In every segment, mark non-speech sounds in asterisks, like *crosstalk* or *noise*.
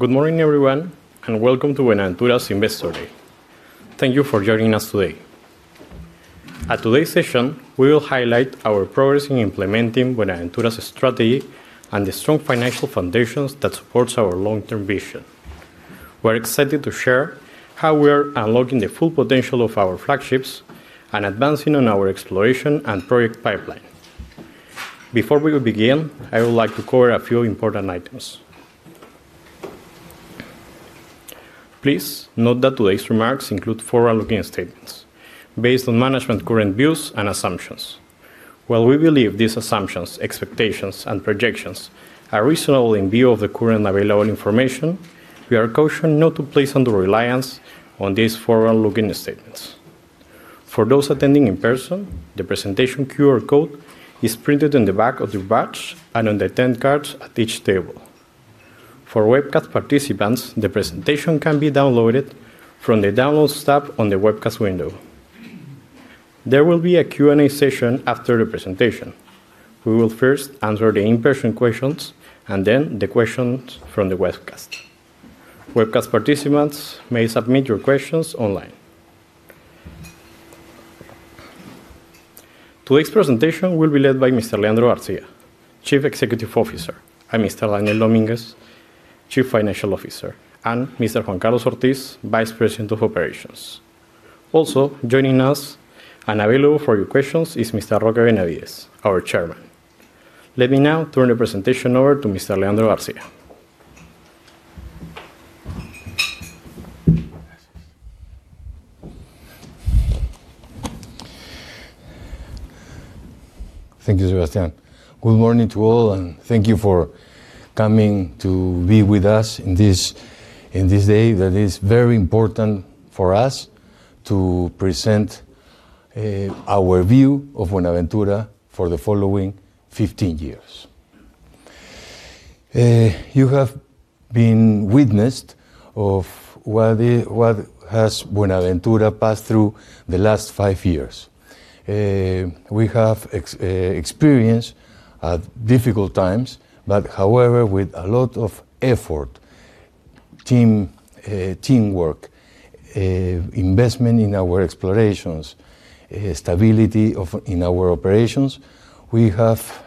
Good morning, everyone, and welcome to Buenaventura's Investor Day. Thank you for joining us today. At today's session, we will highlight our progress in implementing Buenaventura's strategy and the strong financial foundations that support our long-term vision. We're excited to share how we are unlocking the full potential of our flagships and advancing on our exploration and project pipeline. Before we begin, I would like to cover a few important items. Please note that today's remarks include forward-looking statements based on management's current views and assumptions. While we believe these assumptions, expectations, and projections are reasonable in view of the current available information, we are cautioned not to place undue reliance on these forward-looking statements. For those attending in person, the presentation QR code is printed on the back of the badge and on the 10 cards at each table. For webcast participants, the presentation can be downloaded from the Downloads tab on the webcast window. There will be a Q&A session after the presentation. We will first answer the in-person questions and then the questions from the webcast. Webcast participants may submit your questions online. Today's presentation will be led by Mr. Leandro García, Chief Executive Officer, and Mr. Daniel Dominguez, Chief Financial Officer, and Mr. Juan Carlos Ortiz, Vice President of Operations. Also, joining us and available for your questions is Mr. Roque Benavides, our Chairman. Let me now turn the presentation over to Mr. Leandro García. Thank you, Sebastián. Good morning to all, and thank you for coming to be with us on this day that is very important for us to present our view of Buenaventura for the following 15 years. You have been witnesses of what has Buenaventura passed through the last five years. We have experienced difficult times, however, with a lot of effort, teamwork, investment in our explorations, and stability in our operations, we have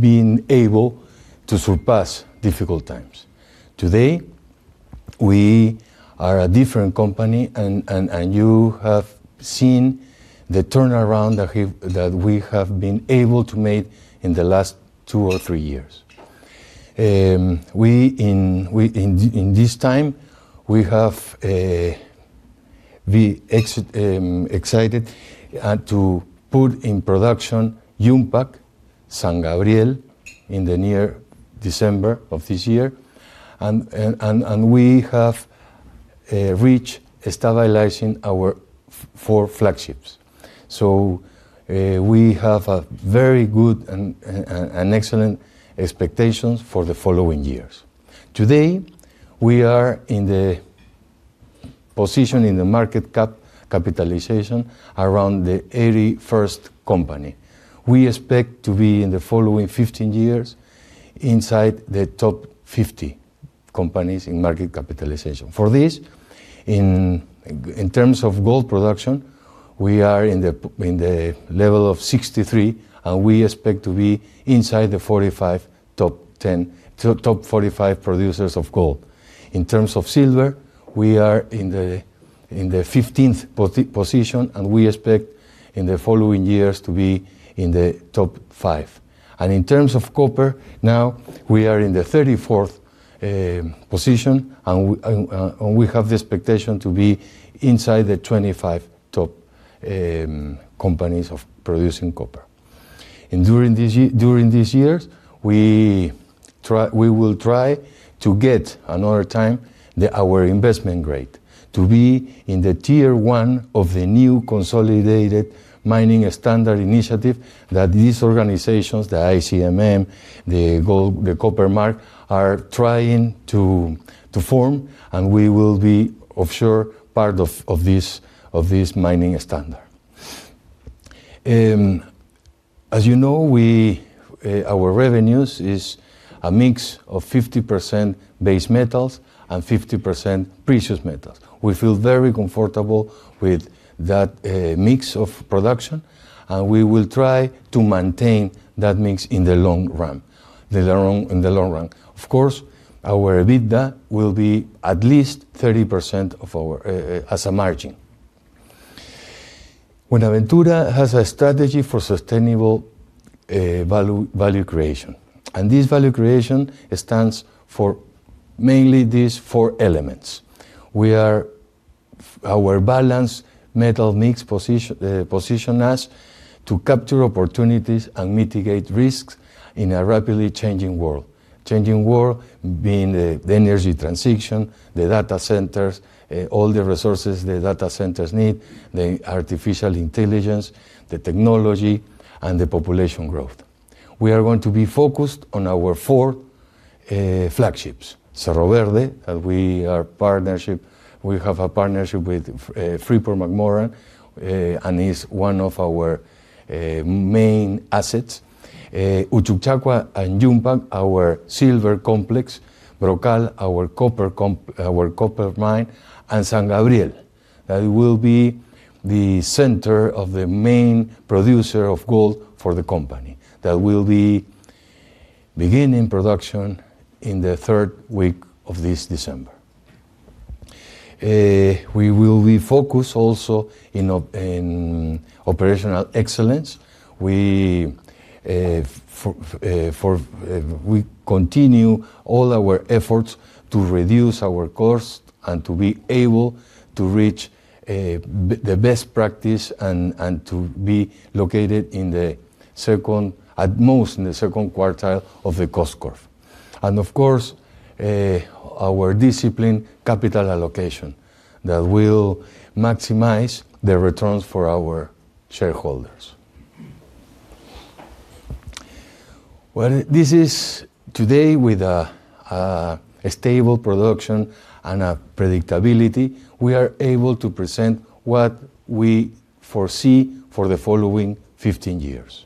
been able to surpass difficult times. Today, we are a different company, and you have seen the turnaround that we have been able to make in the last two or three years. In this time, we have been excited to put in production Yumpag, San Gabriel in the near December of this year, and we have reached stabilizing our four flagships. We have very good and excellent expectations for the following years. Today, we are in the position in the market capitalization around the 81st company. We expect to be, in the following 15 years, inside the top 50 companies in market capitalization. For this, in terms of gold production, we are in the level of 63, and we expect to be inside the top 45 producers of gold. In terms of silver, we are in the 15th position, and we expect, in the following years, to be in the top five. In terms of copper, now we are in the 34th position, and we have the expectation to be inside the 25 top companies of producing copper. During these years, we will try to get, another time, our investment grade to be in the tier one of the new consolidated mining standard initiative that these organizations, the ICMM, The Copper Mark, are trying to form, and we will be, for sure, part of this mining standard. As you know, our revenues are a mix of 50% base metals and 50% precious metals. We feel very comfortable with that mix of production, and we will try to maintain that mix in the long run. Of course, our EBITDA will be at least 30% as a margin. Buenaventura has a strategy for sustainable value creation, and this value creation stands for mainly these four elements. Our balanced metal mix positions us to capture opportunities and mitigate risks in a rapidly changing world. Changing world being the energy transition, the data centers, all the resources the data centers need, the artificial intelligence, the technology, and the population growth. We are going to be focused on our four flagships: Cerro Verde, that we have a partnership with Freeport-McMoRan, and it's one of our main assets; Uchucchacua and Yumpag, our silver complex; Brocal, our copper mine, and San Gabriel, that will be the center of the main producer of gold for the company, that will be beginning production in the third week of this December. We will be focused also on operational excellence. We continue all our efforts to reduce our costs and to be able to reach the best practice and to be located at most in the second quartile of the cost curve. Of course, our discipline, capital allocation, that will maximize the returns for our shareholders. Today, with a stable production and predictability, we are able to present what we foresee for the following 15 years.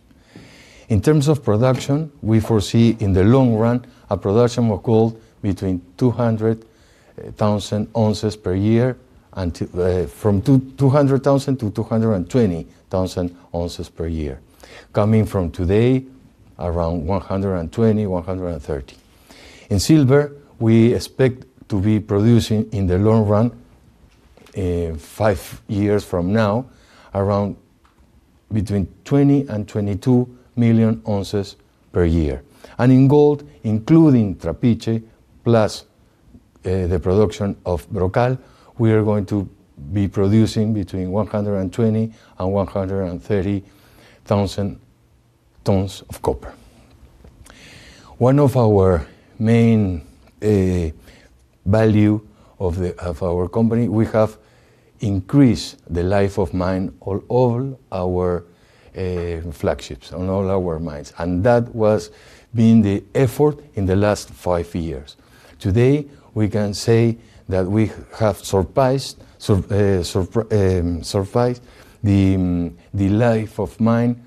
In terms of production, we foresee in the long run a production of gold between 200,000 ounces per year, from 200,000-220,000 ounces per year, coming from today around 120,000, 130,000. In silver, we expect to be producing in the long run, five years from now, between 20-22 million ounces per year. In gold, including Trapiche plus the production of Brocal, we are going to be producing between 120,000 and 130,000 tons of copper. One of our main values of our company, we have increased the life of mine on all our flagships, on all our mines, and that has been the effort in the last five years. Today, we can say that we have surpassed the life of mine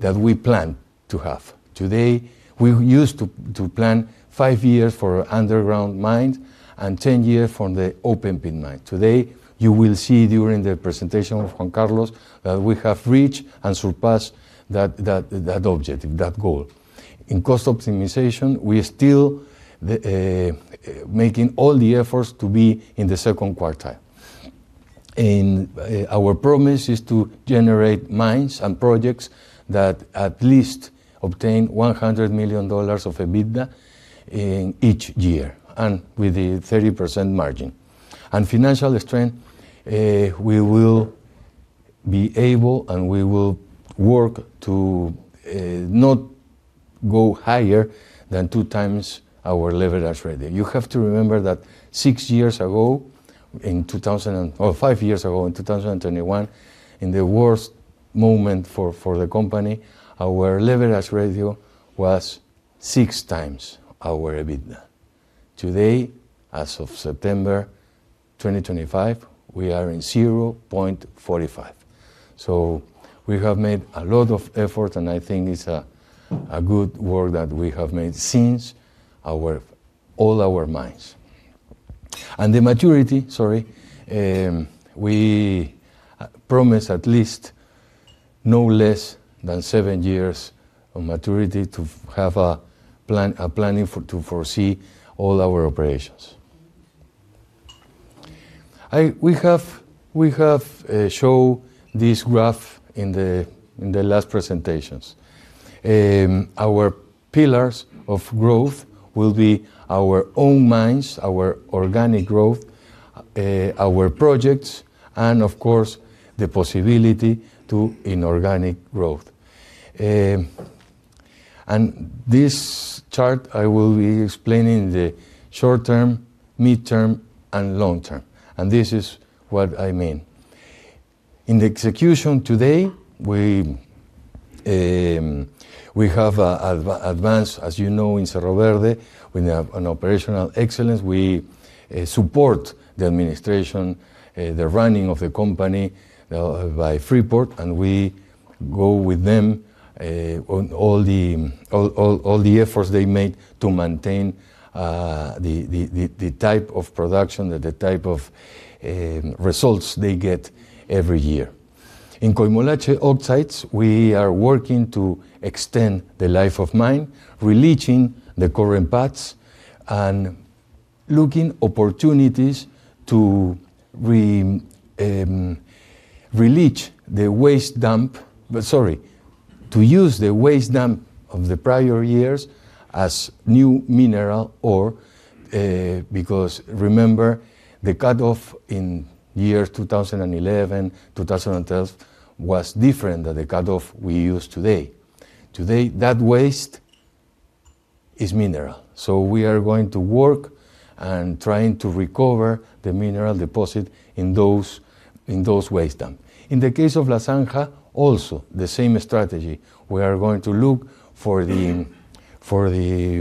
that we planned to have. Today, we used to plan five years for underground mines and 10 years for the open-pit mines. Today, you will see during the presentation of Juan Carlos that we have reached and surpassed that objective, that goal. In cost optimization, we are still making all the efforts to be in the second quartile. Our promise is to generate mines and projects that at least obtain $100 million of EBITDA each year and with a 30% margin. In financial strength, we will be able and we will work to not go higher than two times our leverage ratio. You have to remember that six years ago, in 2000, or five years ago, in 2021, in the worst moment for the company, our leverage ratio was six times our EBITDA. Today, as of September 2025, we are in 0.45. We have made a lot of effort, and I think it's good work that we have made since all our mines. The maturity, sorry, we promise at least no less than seven years of maturity to have a planning to foresee all our operations. We have shown this graph in the last presentations. Our pillars of growth will be our own mines, our organic growth, our projects, and, of course, the possibility to inorganic growth. This chart, I will be explaining the short term, midterm, and long term, and this is what I mean. In the execution today, we have advanced, as you know, in Cerro Verde, we have an operational excellence. We support the administration, the running of the company by Freeport, and we go with them on all the efforts they make to maintain the type of production and the type of results they get every year. In Coimolache Oxides, we are working to extend the life of mine, re-leaching the current pads and looking for opportunities to re-leach the waste dump, sorry, to use the waste dump of the prior years as new mineral ore, because remember, the cut-off in the year 2011, 2012 was different than the cut-off we use today. Today, that waste is mineral. We are going to work and try to recover the mineral deposit in those waste dumps. In the case of La Zanja, also the same strategy. We are going to look for the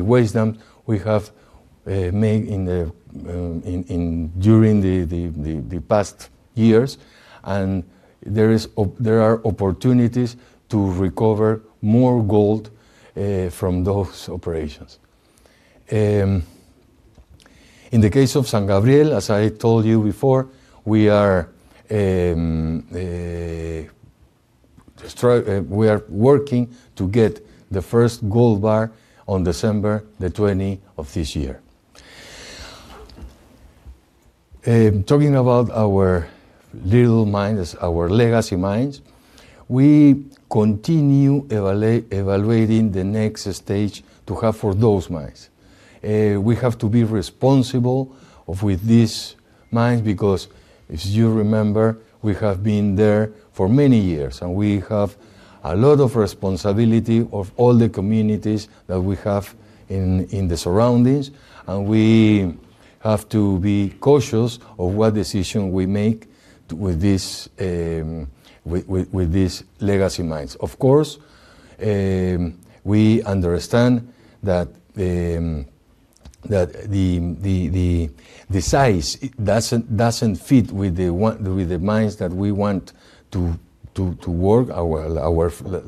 waste dumps we have made during the past years, and there are opportunities to recover more gold from those operations. In the case of San Gabriel, as I told you before, we are working to get the first gold bar on December the 20th of this year. Talking about our little mines, our legacy mines, we continue evaluating the next stage to have for those mines. We have to be responsible with these mines because, as you remember, we have been there for many years, and we have a lot of responsibility for all the communities that we have in the surroundings, and we have to be cautious of what decisions we make with these legacy mines. Of course, we understand that the size does not fit with the mines that we want to work,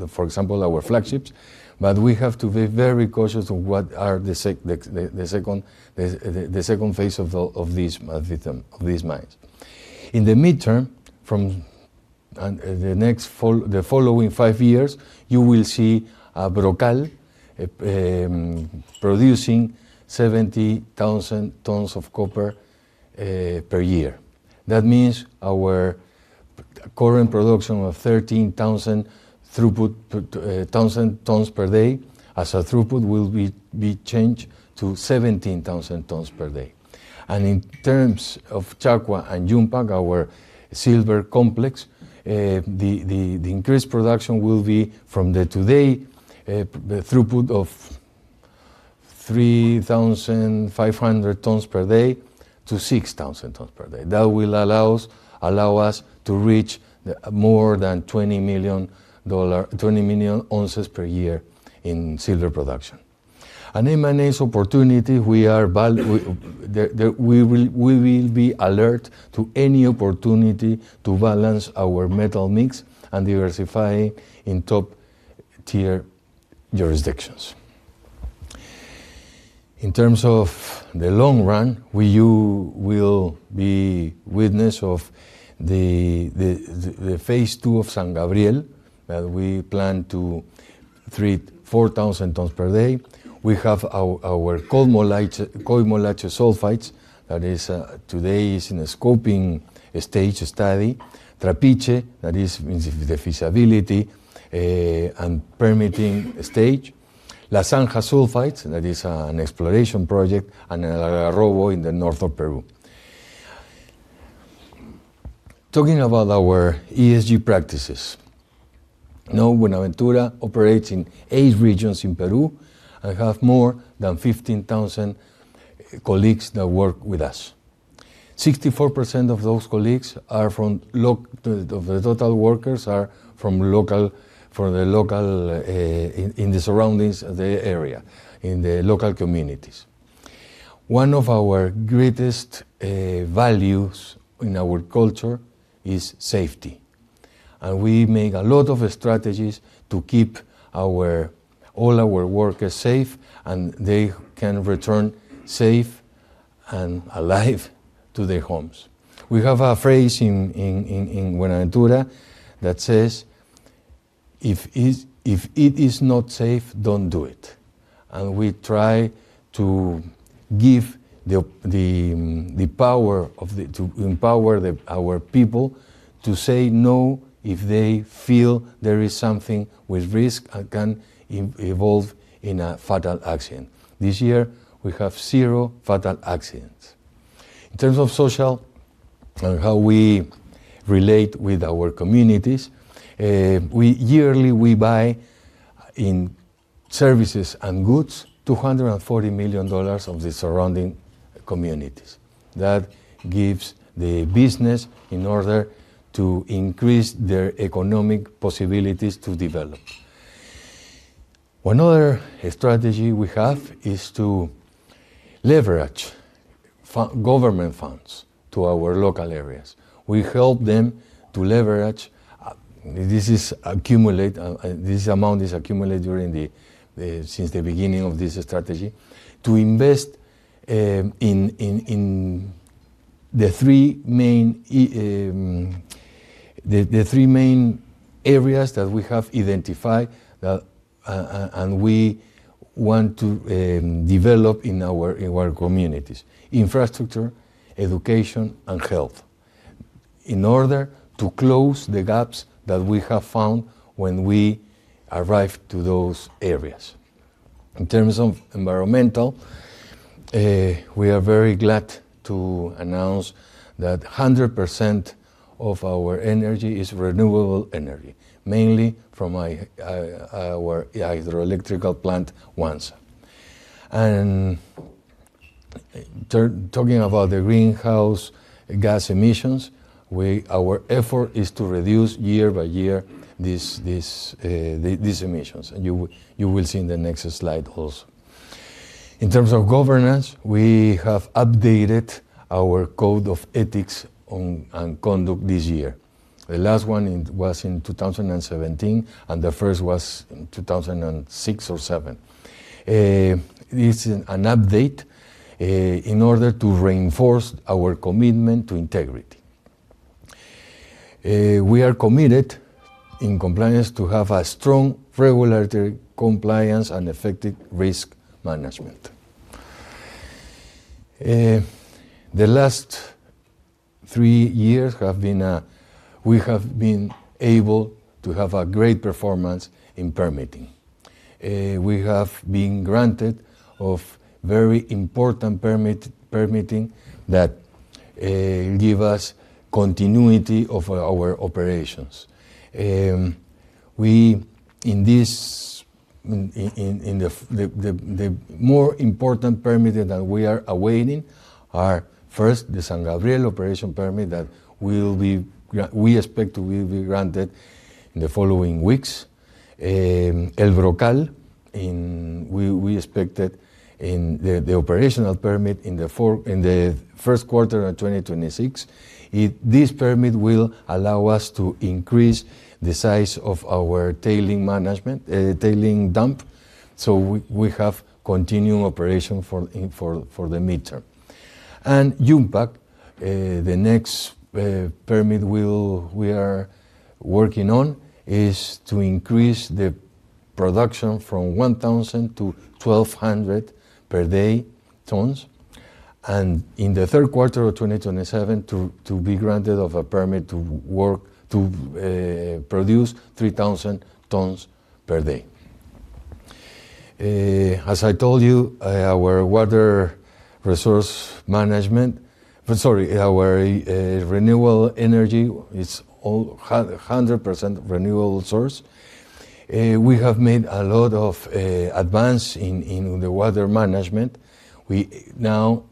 for example, our flagships, but we have to be very cautious of what are the second phase of these mines. In the midterm, from the following five years, you will see Brocal producing 70,000 tons of copper per year. That means our current production of 13,000 tons per day as a throughput will be changed to 17,000 tons per day. In terms of Chacua and Yumpag, our silver complex, the increased production will be from the today throughput of 3,500 tons per day to 6,000 tons per day. That will allow us to reach more than 20 million ounces per year in silver production. In this opportunity, we will be alert to any opportunity to balance our metal mix and diversify in top-tier jurisdictions. In terms of the long run, we will be witness of the phase two of San Gabriel that we plan to treat 4,000 tons per day. We have our Coimolache sulfides that today is in the scoping stage study, Trapiche that is the feasibility and permitting stage, La Zanja sulfides that is an exploration project, and Algarrobo in the north of Peru. Talking about our ESG practices, now Buenaventura operates in eight regions in Peru and has more than 15,000 colleagues that work with us. 64% of those colleagues from the total workers are from the local in the surroundings, the area, in the local communities. One of our greatest values in our culture is safety, and we make a lot of strategies to keep all our workers safe and they can return safe and alive to their homes. We have a phrase in Buenaventura that says, "If it is not safe, don't do it." We try to give the power to empower our people to say no if they feel there is something with risk that can evolve in a fatal accident. This year, we have zero fatal accidents. In terms of social and how we relate with our communities, yearly we buy in services and goods $240 million of the surrounding communities. That gives the business in order to increase their economic possibilities to develop. One other strategy we have is to leverage government funds to our local areas. We help them to leverage this amount is accumulated during the since the beginning of this strategy to invest in the three main areas that we have identified and we want to develop in our communities: infrastructure, education, and health in order to close the gaps that we have found when we arrive to those areas. In terms of environmental, we are very glad to announce that 100% of our energy is renewable energy, mainly from our hydroelectrical plant Huanza. Talking about the greenhouse gas emissions, our effort is to reduce year by year these emissions, and you will see in the next slide also. In terms of governance, we have updated our code of ethics and conduct this year. The last one was in 2017, and the first was in 2006 or 2007. This is an update in order to reinforce our commitment to integrity. We are committed in compliance to have a strong regulatory compliance and effective risk management. The last three years have been we have been able to have a great performance in permitting. We have been granted very important permitting that gives us continuity of our operations. In this, the more important permitting that we are awaiting are first the San Gabriel operation permit that we expect to be granted in the following weeks. El Brocal, we expected the operational permit in the first quarter of 2026. This permit will allow us to increase the size of our tailings dump so we have continuing operation for the midterm. Yumpag, the next permit we are working on is to increase the production from 1,000 to 1,200 tons per day. In the third quarter of 2027, to be granted a permit to produce 3,000 tons per day. As I told you, our water resource management, sorry, our renewable energy is 100% renewable source. We have made a lot of advance in the water management. We now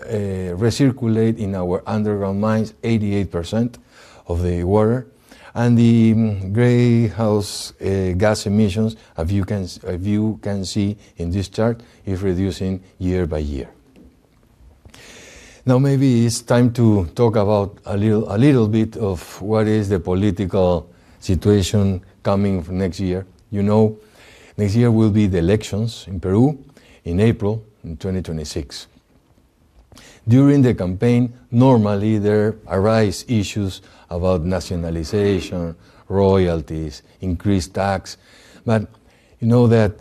recirculate in our underground mines 88% of the water, and the greenhouse gas emissions, as you can see in this chart, are reducing year by year. Now, maybe it is time to talk about a little bit of what is the political situation coming next year. You know, next year will be the elections in Peru in April in 2026. During the campaign, normally there arise issues about nationalization, royalties, increased tax, but you know that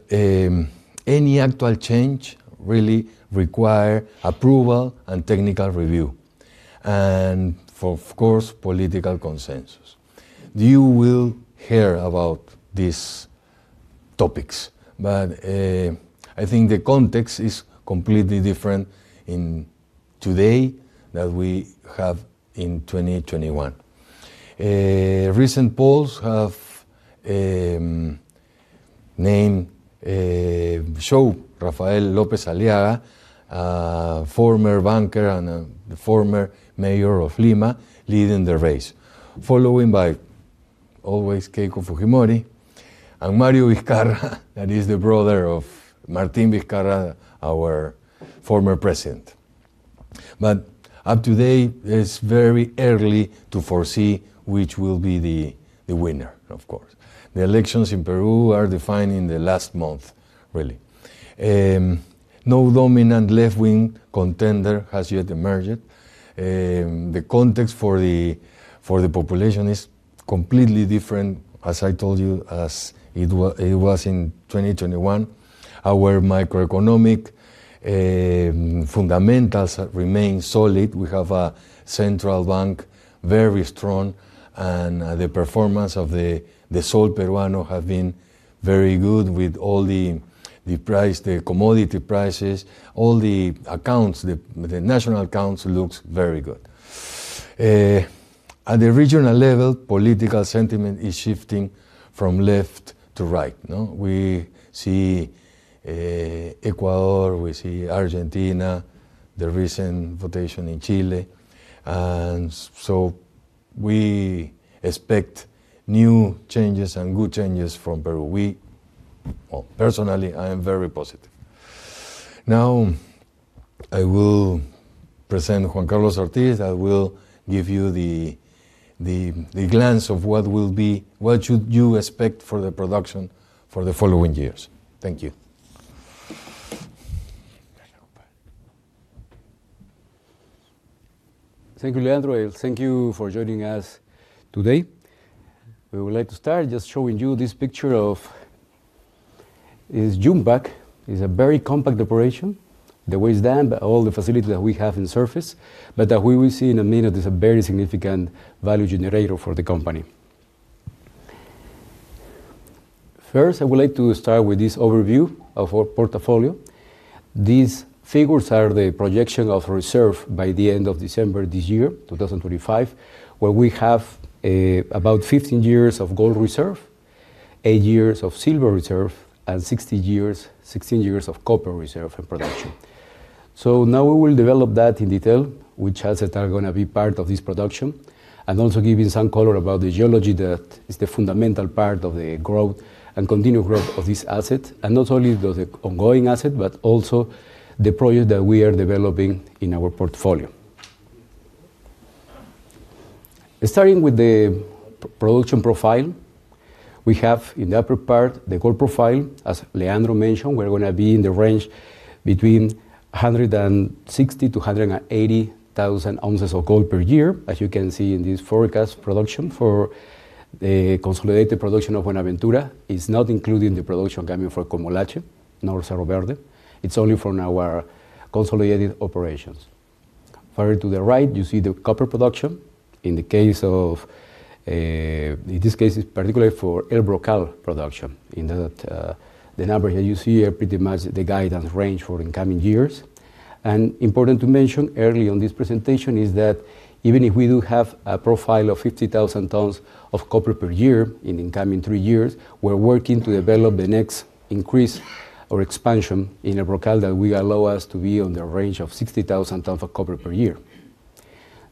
any actual change really requires approval and technical review and, of course, political consensus. You will hear about these topics, but I think the context is completely different today than we have in 2021. Recent polls show Rafael López Aliaga, a former banker and a former mayor of Lima, leading the race, followed by always Keiko Fujimori and Mario Vizcarra, that is the brother of Martín Vizcarra, our former president. Up to date, it's very early to foresee which will be the winner, of course. The elections in Peru are defined in the last month, really. No dominant left-wing contender has yet emerged. The context for the population is completely different, as I told you, as it was in 2021. Our macroeconomic fundamentals remain solid. We have a central bank, very strong, and the performance of the sol peruano has been very good with all the commodity prices. All the accounts, the national accounts look very good. At the regional level, political sentiment is shifting from left to right. We see Ecuador, we see Argentina, the recent votation in Chile, and we expect new changes and good changes from Peru. Personally, I am very positive. Now, I will present Juan Carlos Ortiz. I will give you the glance of what should you expect for the production for the following years. Thank you. Thank you, Leandro. Thank you for joining us today. We would like to start just showing you this picture of Yumpag. It's a very compact operation. The way it's done, all the facilities that we have in surface, but that we will see in a minute is a very significant value generator for the company. First, I would like to start with this overview of our portfolio. These figures are the projection of reserve by the end of December this year, 2025, where we have about 15 years of gold reserve, 8 years of silver reserve, and 16 years of copper reserve and production. Now we will develop that in detail, which assets are going to be part of this production, and also giving some color about the geology that is the fundamental part of the growth and continued growth of this asset, and not only the ongoing asset, but also the project that we are developing in our portfolio. Starting with the production profile, we have in the upper part the gold profile. As Leandro mentioned, we're going to be in the range between 160,000-180,000 ounces of gold per year, as you can see in this forecast. Production for the consolidated production of Buenaventura is not including the production coming from Coimolache. *audio distortion* It's only from our consolidated operations. Further to the right, you see the copper production in this case, particularly for El Brocal production. In that, the numbers that you see are pretty much the guidance range for incoming years. An important to mention early on this presentation is that even if we do have a profile of 50,000 tons of copper per year in incoming three years, we're working to develop the next increase or expansion in El Brocal that will allow us to be on the range of 60,000 tons of copper per year.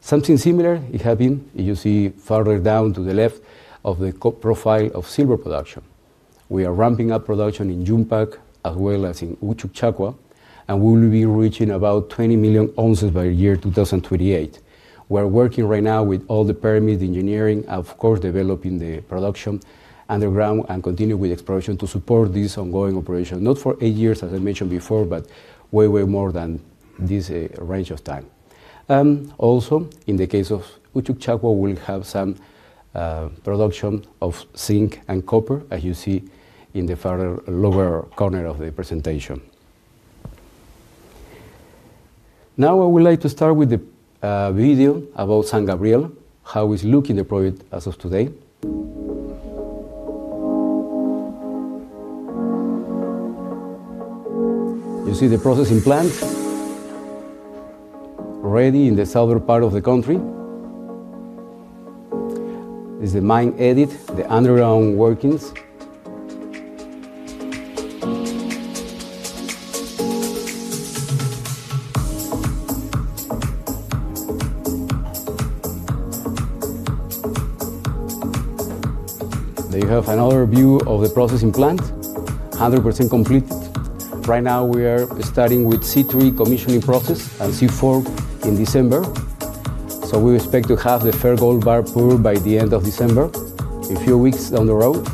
Something similar is happening. You see further down to the left of the profile of silver production. We are ramping up production in Yumpag as well as in Uchucchacua, and we will be reaching about 20 million ounces by the year 2028. We're working right now with all the permit engineering, of course, developing the production underground and continuing with exploration to support this ongoing operation, not for eight years, as I mentioned before, but way, way more than this range of time. Also, in the case of Uchucchacua, we'll have some production of zinc and copper, as you see in the further lower corner of the presentation. Now, I would like to start with the video about San Gabriel, how it's looking the project as of today. You see the processing plant ready in the southern part of the country. This is the mine adit, the underground workings. There you have another view of the processing plant, 100% completed. Right now, we are starting with C3 commissioning process and C4 in December. We expect to have the fair gold bar pool by the end of December, a few weeks down the road.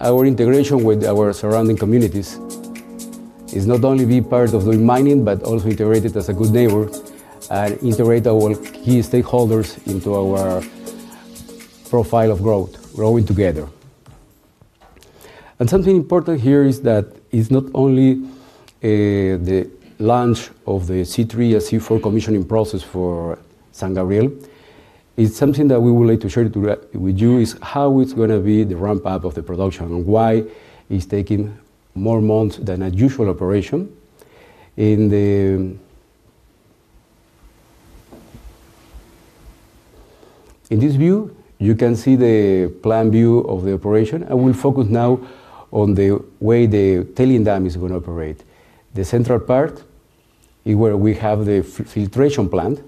Our integration with our surrounding communities is not only to be part of doing mining, but also integrated as a good neighbor and integrate our key stakeholders into our profile of growth, growing together. Something important here is that it is not only the launch of the C3 and C4 commissioning process for San Gabriel. Something that we would like to share with you is how it is going to be the ramp-up of the production and why it is taking more months than a usual operation. In this view, you can see the plan view of the operation. I will focus now on the way the tailings dam is going to operate. The central part is where we have the filtration plant,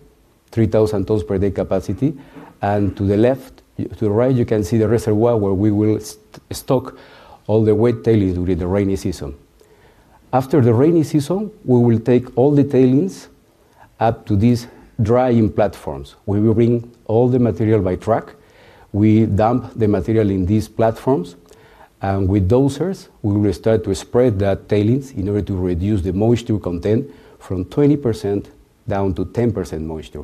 3,000 tons per day capacity. To the left, to the right, you can see the reservoir where we will stock all the wet tailings during the rainy season. After the rainy season, we will take all the tailings up to these drying platforms. We will bring all the material by truck. We dump the material in these platforms, and with dosers, we will start to spread that tailings in order to reduce the moisture content from 20% down to 10% moisture.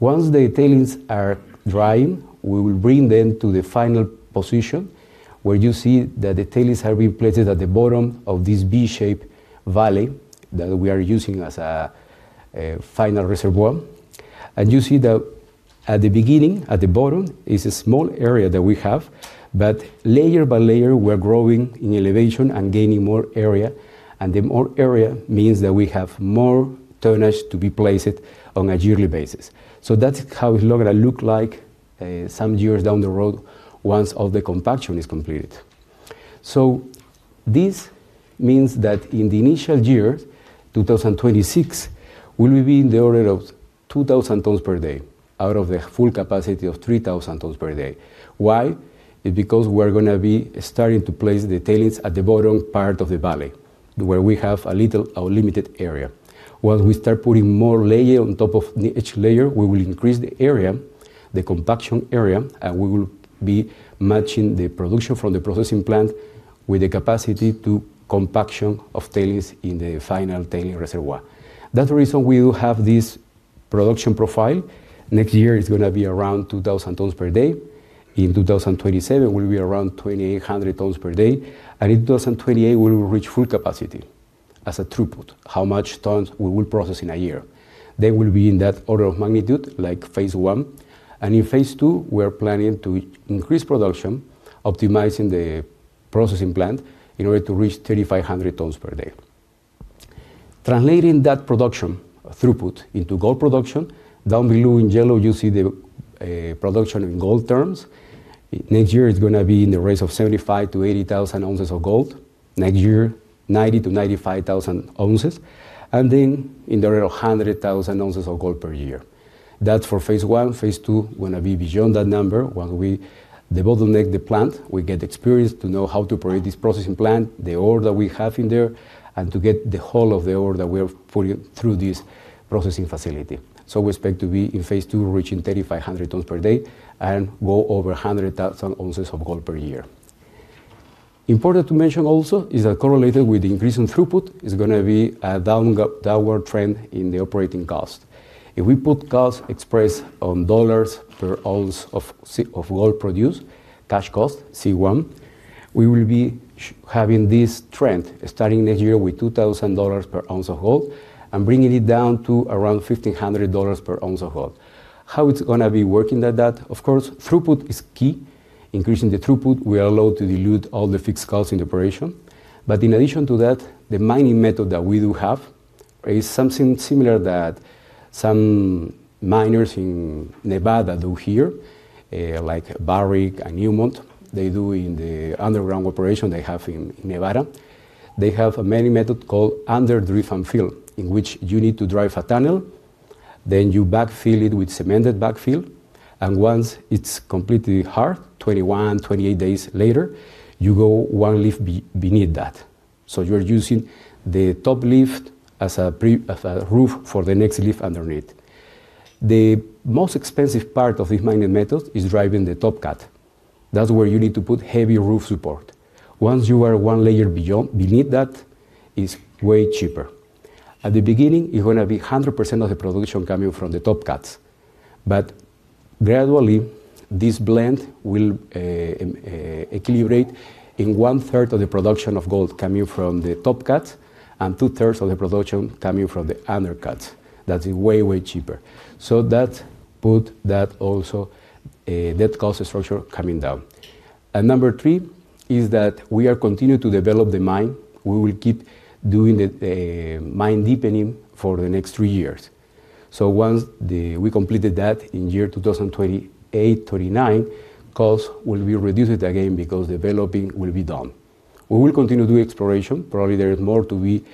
Once the tailings are drying, we will bring them to the final position where you see that the tailings are being placed at the bottom of this V-shaped valley that we are using as a final reservoir. You see that at the beginning, at the bottom, is a small area that we have, but layer by layer, we're growing in elevation and gaining more area. The more area means that we have more tonnage to be placed on a yearly basis. That is how it's going to look like some years down the road once all the compaction is completed. This means that in the initial year, 2026, we will be in the order of 2,000 tons per day out of the full capacity of 3,000 tons per day. Why? It's because we're going to be starting to place the tailings at the bottom part of the valley where we have a little limited area. Once we start putting more layer on top of each layer, we will increase the area, the compaction area, and we will be matching the production from the processing plant with the capacity to compaction of tailings in the final tailing reservoir. That's the reason we do have this production profile. Next year, it's going to be around 2,000 tons per day. In 2027, we'll be around 2,800 tons per day. In 2028, we will reach full capacity as a throughput, how much tons we will process in a year. They will be in that order of magnitude, like phase one. In phase two, we're planning to increase production, optimizing the processing plant in order to reach 3,500 tons per day. Translating that production throughput into gold production, down below in yellow, you see the production in gold terms. Next year, it's going to be in the range of 75,000-80,000 ounces of gold. Next year, 90,000-95,000 ounces. And then in the order of 100,000 ounces of gold per year. That's for phase one. Phase two is going to be beyond that number. The bottleneck, the plant, we get experience to know how to operate this processing plant, the ore that we have in there, and to get the whole of the ore that we are putting through this processing facility. We expect to be in phase two, reaching 3,500 tons per day and go over 100,000 ounces of gold per year. Important to mention also is that correlated with the increase in throughput, it's going to be a downward trend in the operating cost. If we put cost expressed on dollars per ounce of gold produced, cash cost, C1, we will be having this trend starting next year with $2,000 per ounce of gold and bringing it down to around $1,500 per ounce of gold. How is it going to be working like that? Of course, throughput is key. Increasing the throughput, we are allowed to dilute all the fixed costs in the operation. In addition to that, the mining method that we do have is something similar that some miners in Nevada do here, like Barrick and Newmont. They do in the underground operation they have in Nevada. They have a mining method called underhand drift and fill, in which you need to drive a tunnel, then you backfill it with cemented backfill. Once it is completely hard, 21-28 days later, you go one lift beneath that. You are using the top lift as a roof for the next lift underneath. The most expensive part of this mining method is driving the top cut. That is where you need to put heavy roof support. Once you are one layer beneath that, it is way cheaper. At the beginning, it is going to be 100% of the production coming from the top cuts. Gradually, this blend will equilibrate in one-third of the production of gold coming from the top cuts and two-thirds of the production coming from the undercuts. That is way, way cheaper. That puts that also debt cost structure coming down. Number three is that we are continuing to develop the mine. We will keep doing the mine deepening for the next three years. Once we complete that in year 2028, 2029, costs will be reduced again because developing will be done. We will continue to do exploration. Probably there is more to be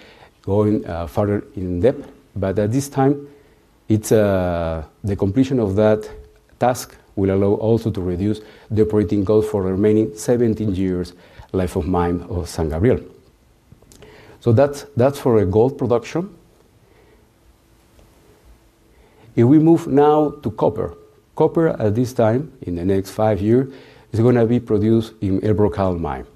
going further in depth. At this time, the completion of that task will also allow to reduce the operating cost for the remaining 17 years' life of mine of San Gabriel. That is for gold production. If we move now to copper, copper at this time in the next five years is going to be produced in El Brocal mine.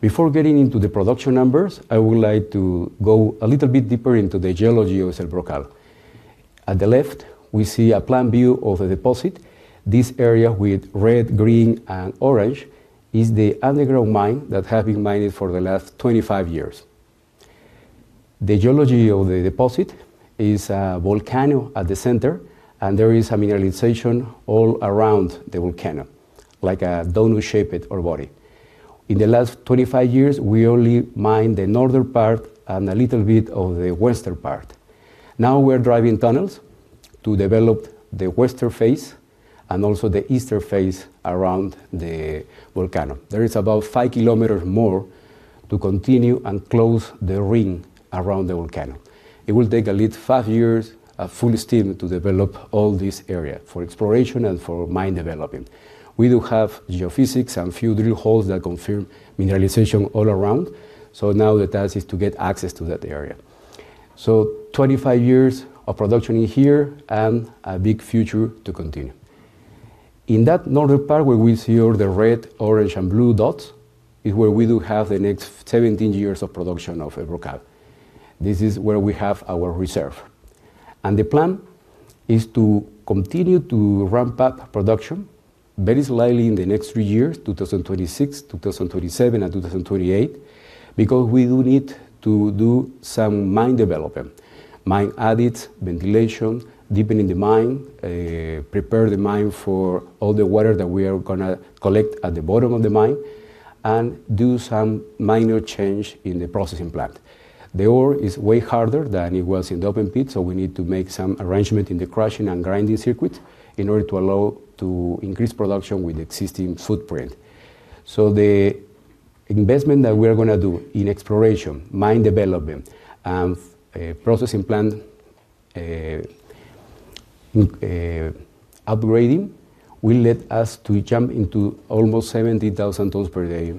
Before getting into the production numbers, I would like to go a little bit deeper into the geology of El Brocal. At the left, we see a plan view of the deposit. This area with red, green, and orange is the underground mine that has been mining for the last 25 years. The geology of the deposit is a volcano at the center, and there is a mineralization all around the volcano, like a donut-shaped body. In the last 25 years, we only mined the northern part and a little bit of the western part. Now we're driving tunnels to develop the western face and also the eastern face around the volcano. There is about 5 kilometers more to continue and close the ring around the volcano. It will take at least 5 years of full steam to develop all this area for exploration and for mine development. We do have geophysics and a few drill holes that confirm mineralization all around. Now the task is to get access to that area. Twenty-five years of production in here and a big future to continue. In that northern part where we see all the red, orange, and blue dots is where we do have the next 17 years of production of El Brocal. This is where we have our reserve. The plan is to continue to ramp up production very slightly in the next three years, 2026, 2027, and 2028, because we do need to do some mine development, mine adits, ventilation, deepening the mine, prepare the mine for all the water that we are going to collect at the bottom of the mine, and do some minor change in the processing plant. The ore is way harder than it was in the open pit, so we need to make some arrangement in the crushing and grinding circuits in order to allow to increase production with the existing footprint. The investment that we are going to do in exploration, mine development, and processing plant upgrading will let us jump into almost 70,000 tons per day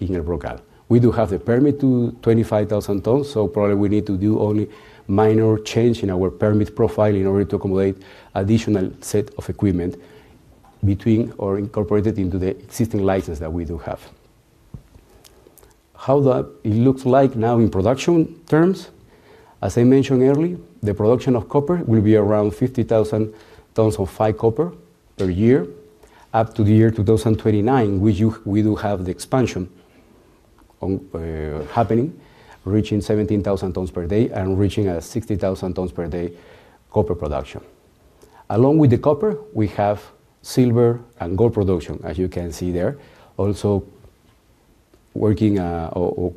in El Brocal. We do have the permit to 25,000 tons, so probably we need to do only minor change in our permit profile in order to accommodate an additional set of equipment between or incorporated into the existing license that we do have. How it looks like now in production terms, as I mentioned earlier, the production of copper will be around 50,000 tons of fine copper per year up to the year 2029, which we do have the expansion happening, reaching 17,000 tons per day and reaching a 60,000 tons per day copper production. Along with the copper, we have silver and gold production, as you can see there, also working or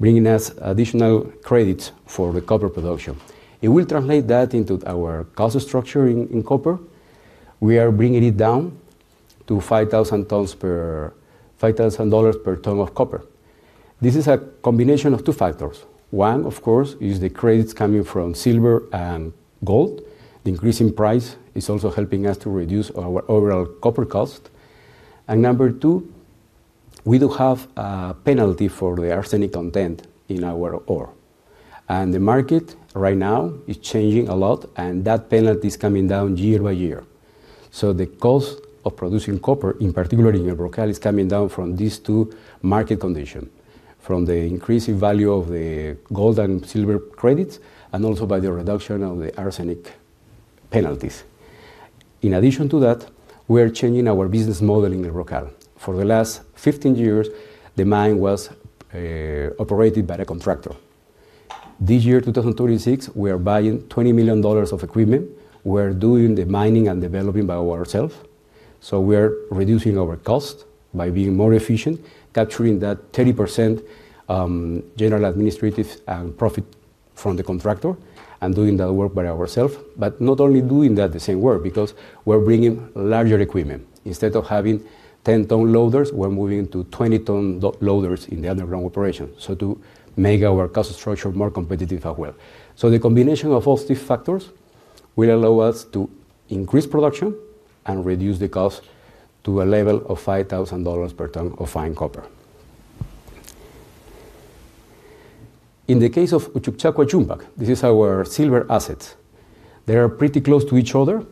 bringing us additional credits for the copper production. It will translate that into our cost structure in copper. We are bringing it down to 5,000 tons per $5,000 per ton of copper. This is a combination of two factors. One, of course, is the credits coming from silver and gold. The increasing price is also helping us to reduce our overall copper cost. Number two, we do have a penalty for the arsenic content in our ore. The market right now is changing a lot, and that penalty is coming down year by year. The cost of producing copper, in particular in El Brocal, is coming down from these two market conditions, from the increasing value of the gold and silver credits and also by the reduction of the arsenic penalties. In addition to that, we are changing our business model in El Brocal. For the last 15 years, the mine was operated by a contractor. This year, 2026, we are buying $20 million of equipment. We are doing the mining and developing by ourselves. We are reducing our cost by being more efficient, capturing that 30% general administrative and profit from the contractor and doing that work by ourselves. Not only doing that same work because we're bringing larger equipment. Instead of having 10-ton loaders, we're moving to 20-ton loaders in the underground operation to make our cost structure more competitive as well. The combination of all these factors will allow us to increase production and reduce the cost to a level of $5,000 per ton of fine copper. In the case of Uchucchacua-Yumpag, these are our silver assets. They are pretty close to each other.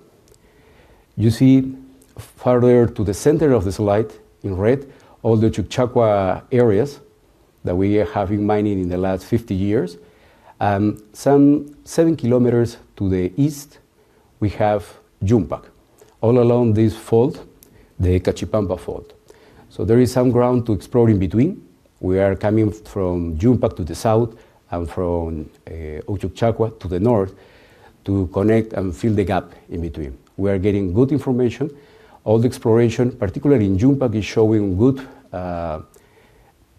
You see farther to the center of the slide in red, all the Uchucchacua areas that we have been mining in the last 50 years. Some 7 km to the east, we have Jumbak. All along this fault, the Cachipampa Fault. There is some ground to explore in between. We are coming from Tambomayo to the south and from Uchucchacua to the north to connect and fill the gap in between. We are getting good information. All the exploration, particularly in Tambomayo, is showing good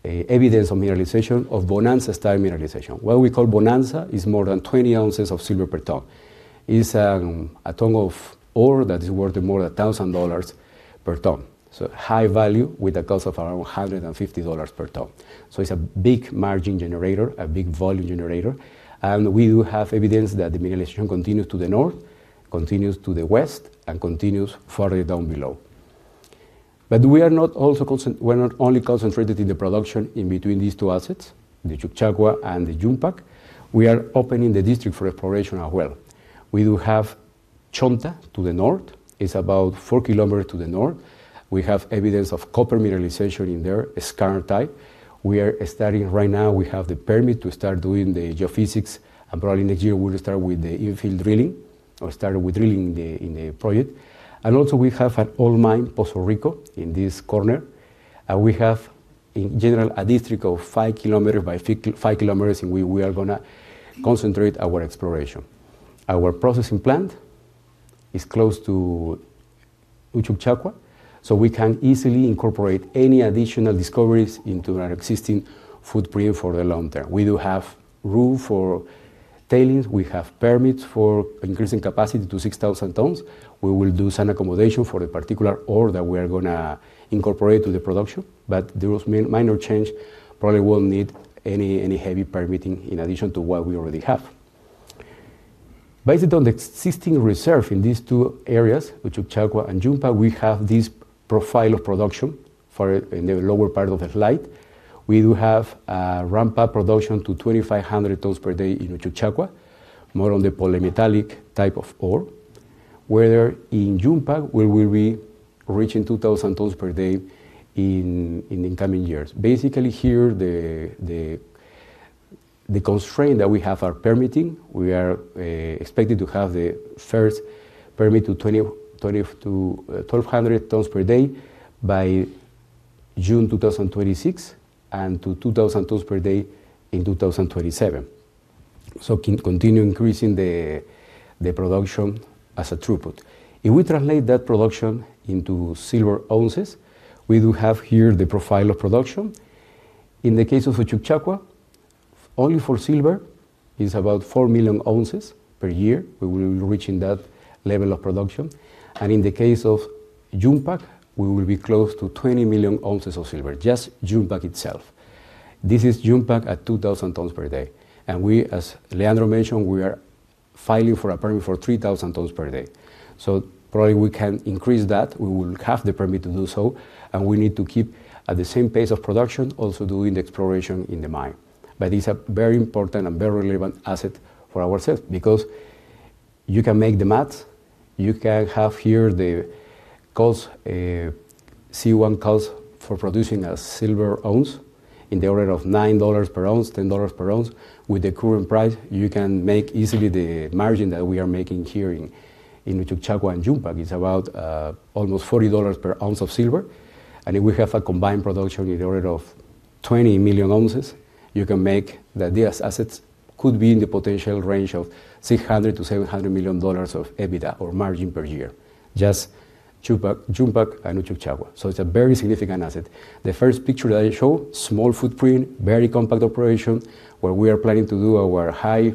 evidence of mineralization of Bonanza-style mineralization. What we call Bonanza is more than 20 ounces of silver per ton. It is a ton of ore that is worth more than $1,000 per ton. High value with a cost of around $150 per ton. It is a big margin generator, a big volume generator. We do have evidence that the mineralization continues to the north, continues to the west, and continues further down below. We are not only concentrated in the production in between these two assets, the Uchucchacua and the Tambomayo. We are opening the district for exploration as well. We do have Chonta to the north. It is about 4 km to the north. We have evidence of copper mineralization in there, a skarn type. We are starting right now. We have the permit to start doing the geophysics, and probably next year we will start with the infill drilling or start with drilling in the project. We also have an old mine, Pozo Rico, in this corner. We have, in general, a district of 5 km by 5 km in which we are going to concentrate our exploration. Our processing plant is close to Uchucchacua, so we can easily incorporate any additional discoveries into our existing footprint for the long term. We do have roof or tailings. We have permits for increasing capacity to 6,000 tons. We will do some accommodation for the particular ore that we are going to incorporate to the production. Those minor changes probably will not need any heavy permitting in addition to what we already have. Based on the existing reserve in these two areas, Uchucchacua and Yumpag, we have this profile of production in the lower part of the slide. We do have a ramp-up production to 2,500 tons per day in Uchucchacua, more on the polymetallic type of ore, where in Yumpag we will be reaching 2,000 tons per day in the coming years. Basically here, the constraint that we have are permitting. We are expected to have the first permit to 1,200 tons per day by June 2026 and to 2,000 tons per day in 2027. Continue increasing the production as a throughput. If we translate that production into silver ounces, we do have here the profile of production. In the case of Uchucchacua, only for silver, it is about 4 million ounces per year. We will be reaching that level of production. In the case of Yumpag, we will be close to 20 million ounces of silver, just Yumpag itself. This is Yumpag at 2,000 tons per day. As Leandro mentioned, we are filing for a permit for 3,000 tons per day. Probably we can increase that. We will have the permit to do so. We need to keep at the same pace of production, also doing the exploration in the mine. It is a very important and very relevant asset for ourselves because you can make the math. You can have here the cost, C1 cost for producing a silver ounce in the order of $9 per ounce, $10 per ounce. With the current price, you can make easily the margin that we are making here in Uchucchacua and Yumpag. It is about almost $40 per ounce of silver. If we have a combined production in the order of 20 million ounces, you can make that these assets could be in the potential range of $600 million-$700 million of EBITDA or margin per year, just Tambomayo and Uchucchacua. It is a very significant asset. The first picture that I show, small footprint, very compact operation, where we are planning to do our high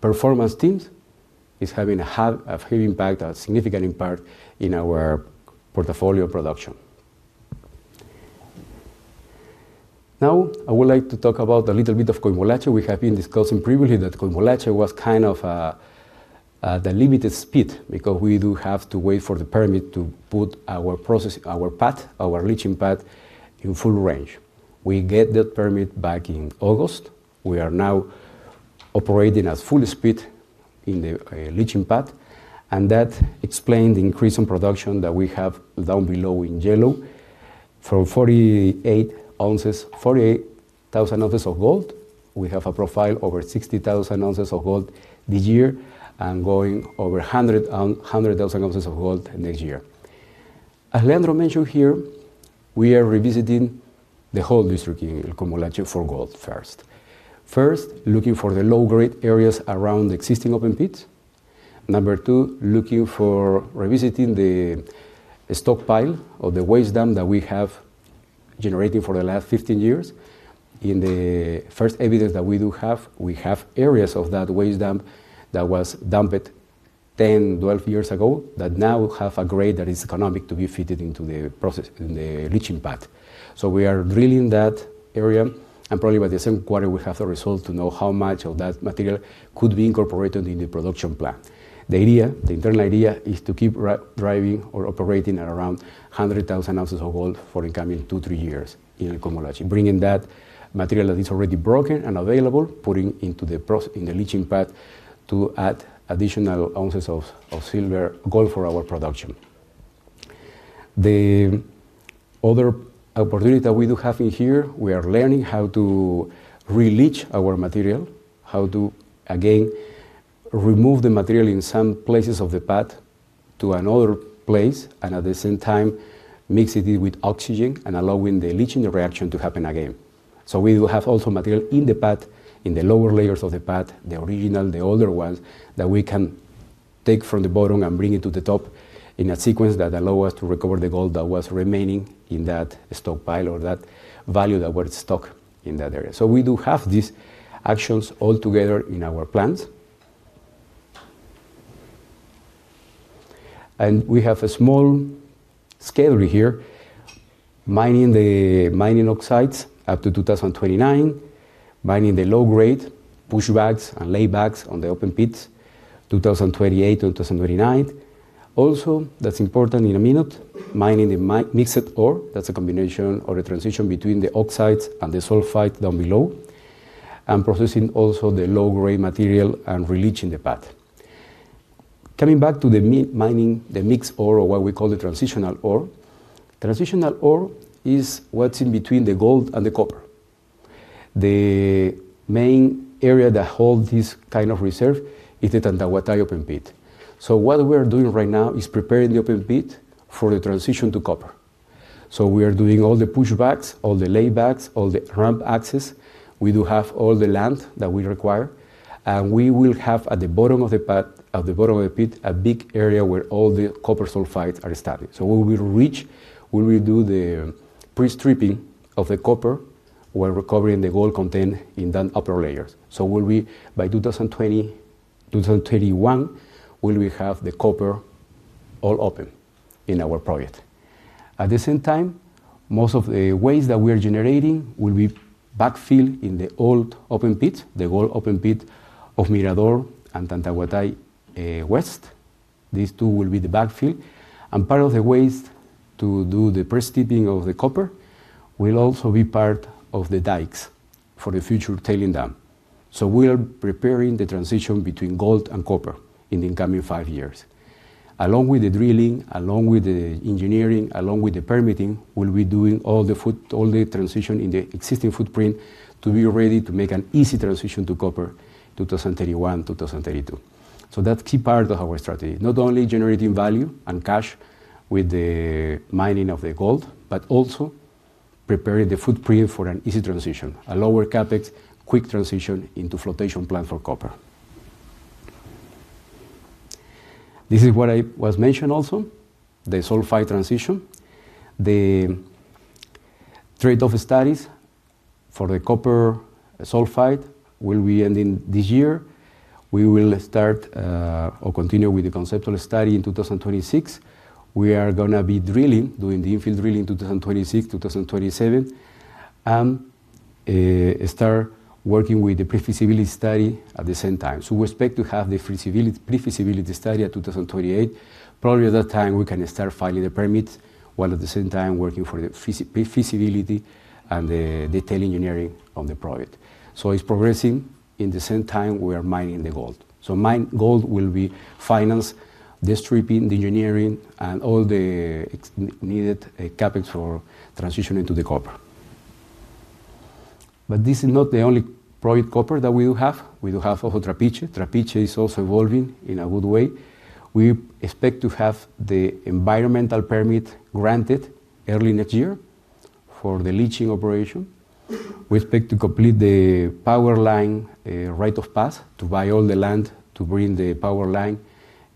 performance teams, is having a significant impact in our portfolio production. Now, I would like to talk about a little bit of Coimolache. We have been discussing previously that Coimolache was kind of the limited speed because we do have to wait for the permit to put our pad, our leaching pad, in full range. We got that permit back in August. We are now operating at full speed in the leaching pad. That explains the increase in production that we have down below in yellow. From 48,000 ounces of gold, we have a profile over 60,000 ounces of gold this year and going over 100,000 ounces of gold next year. As Leandro mentioned here, we are revisiting the whole district in Coimolache for gold first. First, looking for the low-grade areas around the existing open pits. Number two, looking for revisiting the stockpile of the waste dump that we have generated for the last 15 years. In the first evidence that we do have, we have areas of that waste dump that was dumped 10-12 years ago that now have a grade that is economic to be fitted into the process in the leaching pad. We are drilling that area. Probably by the second quarter, we have the result to know how much of that material could be incorporated in the production plan. The internal idea is to keep driving or operating at around 100,000 ounces of gold for the incoming two or three years in Coimolache, bringing that material that is already broken and available, putting it into the leaching pad to add additional ounces of silver and gold for our production. The other opportunity that we do have in here, we are learning how to re-leach our material, how to again remove the material in some places of the path to another place and at the same time mix it with oxygen and allow the leaching reaction to happen again. We do have also material in the path, in the lower layers of the path, the original, the older ones that we can take from the bottom and bring it to the top in a sequence that allows us to recover the gold that was remaining in that stockpile or that value that was stocked in that area. We do have these actions all together in our plants. We have a small schedule here: mining the mining oxides up to 2029, mining the low-grade pushbacks and lay-backs on the open pits, 2028 and 2029. Also, that's important in a minute, mining the mixed ore. That's a combination or a transition between the oxides and the sulfide down below and processing also the low-grade material and re-leaching the path. Coming back to the mixed ore or what we call the transitional ore, transitional ore is what's in between the gold and the copper. The main area that holds this kind of reserve is the Tantahuatay open pit. What we are doing right now is preparing the open pit for the transition to copper. We are doing all the pushbacks, all the laybacks, all the ramp access. We do have all the land that we require. We will have at the bottom of the pit, a big area where all the copper sulfides are established. When we reach, we will do the pre-stripping of the copper while recovering the gold content in the upper layers. By 2021, we will have the copper all open in our project. At the same time, most of the waste that we are generating will be backfilled in the old open pits, the old open pit of Mirador and Tantahuatay West. These two will be the backfill. Part of the waste to do the pre-stripping of the copper will also be part of the dikes for the future tailings dam. We are preparing the transition between gold and copper in the incoming five years. Along with the drilling, along with the engineering, along with the permitting, we will be doing all the transition in the existing footprint to be ready to make an easy transition to copper 2031, 2032. That is a key part of our strategy. Not only generating value and cash with the mining of the gold, but also preparing the footprint for an easy transition, a lower CapEx, quick transition into flotation plant for copper. This is what I was mentioning also, the sulfide transition. The trade-off studies for the copper sulfide will be ending this year. We will start or continue with the conceptual study in 2026. We are going to be drilling, doing the infill drilling in 2026, 2027, and start working with the pre-feasibility study at the same time. We expect to have the pre-feasibility study at 2028. Probably at that time, we can start filing the permit while at the same time working for the pre-feasibility and the tailings engineering on the project. It is progressing in the same time we are mining the gold. Mine gold will be financing the stripping, the engineering, and all the needed CapEx for transitioning to the copper. This is not the only copper project that we do have. We do have also Trapiche. Trapiche is also evolving in a good way. We expect to have the environmental permit granted early next year for the leaching operation. We expect to complete the power line right of pass to buy all the land to bring the power line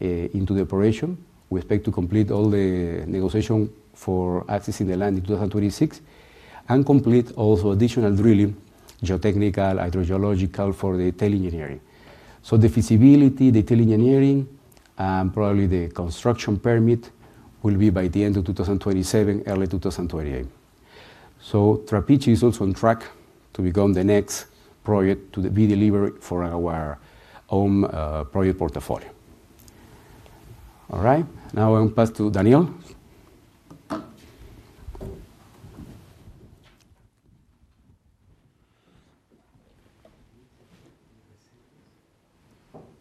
into the operation. We expect to complete all the negotiation for accessing the land in 2026 and complete also additional drilling, geotechnical, hydrogeological for the tailing engineering. The feasibility, the tailing engineering, and probably the construction permit will be by the end of 2027, early 2028. Trapiche is also on track to become the next project to be delivered for our own project portfolio. All right. Now I'll pass to Daniel.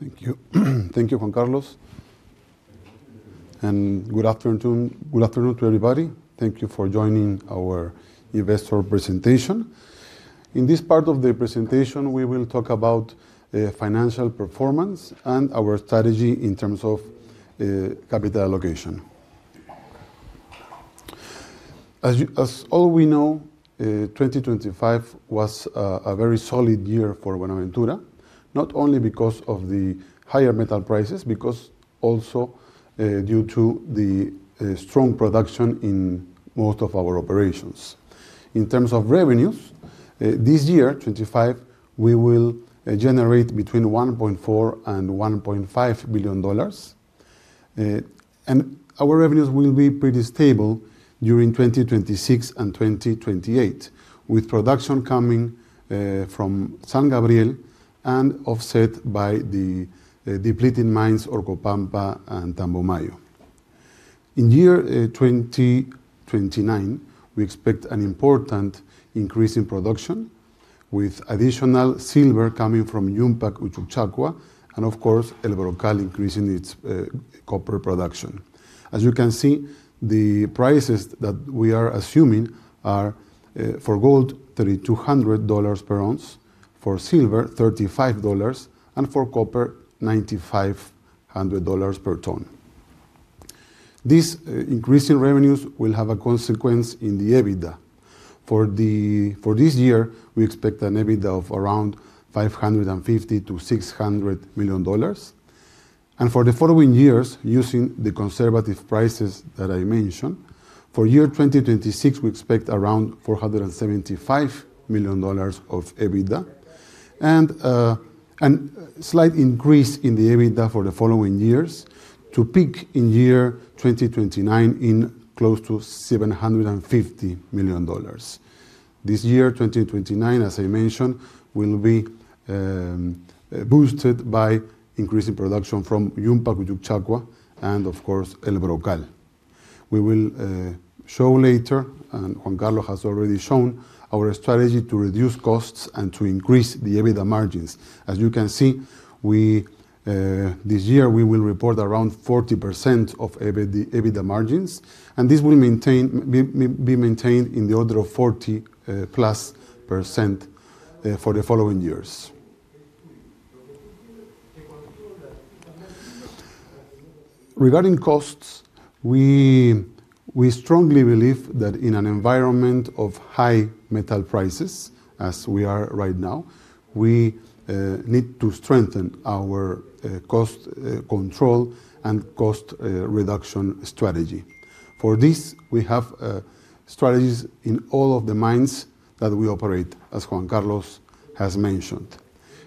Thank you. Thank you, Juan Carlos. Good afternoon to everybody. Thank you for joining our investor presentation. In this part of the presentation, we will talk about financial performance and our strategy in terms of capital allocation. As all we know, 2025 was a very solid year for Buenaventura, not only because of the higher metal prices, but also due to the strong production in most of our operations. In terms of revenues, this year, 2025, we will generate between $1.4 billion and $1.5 billion. Our revenues will be pretty stable during 2026 and 2028, with production coming from San Gabriel and offset by the depleting mines of Orcopampa and Tambomayo. In year 2029, we expect an important increase in production with additional silver coming from Yumpag, Uchucchacua, and of course, El Brocal increasing its copper production. As you can see, the prices that we are assuming are for gold, $3,200 per ounce; for silver, $35 per ounce; and for copper, $9,500 per ton. These increasing revenues will have a consequence in the EBITDA. For this year, we expect an EBITDA of around $550 million to $600 million. For the following years, using the conservative prices that I mentioned, for year 2026, we expect around $475 million of EBITDA and a slight increase in the EBITDA for the following years to peak in year 2029 in close to $750 million. This year, 2029, as I mentioned, will be boosted by increasing production from Yumpag, Uchucchacua, and of course, El Brocal. We will show later, and Juan Carlos has already shown, our strategy to reduce costs and to increase the EBITDA margins. As you can see, this year, we will report around 40% of EBITDA margins. This will be maintained in the order of 40+% for the following years. Regarding costs, we strongly believe that in an environment of high metal prices, as we are right now, we need to strengthen our cost control and cost reduction strategy. For this, we have strategies in all of the mines that we operate, as Juan Carlos has mentioned.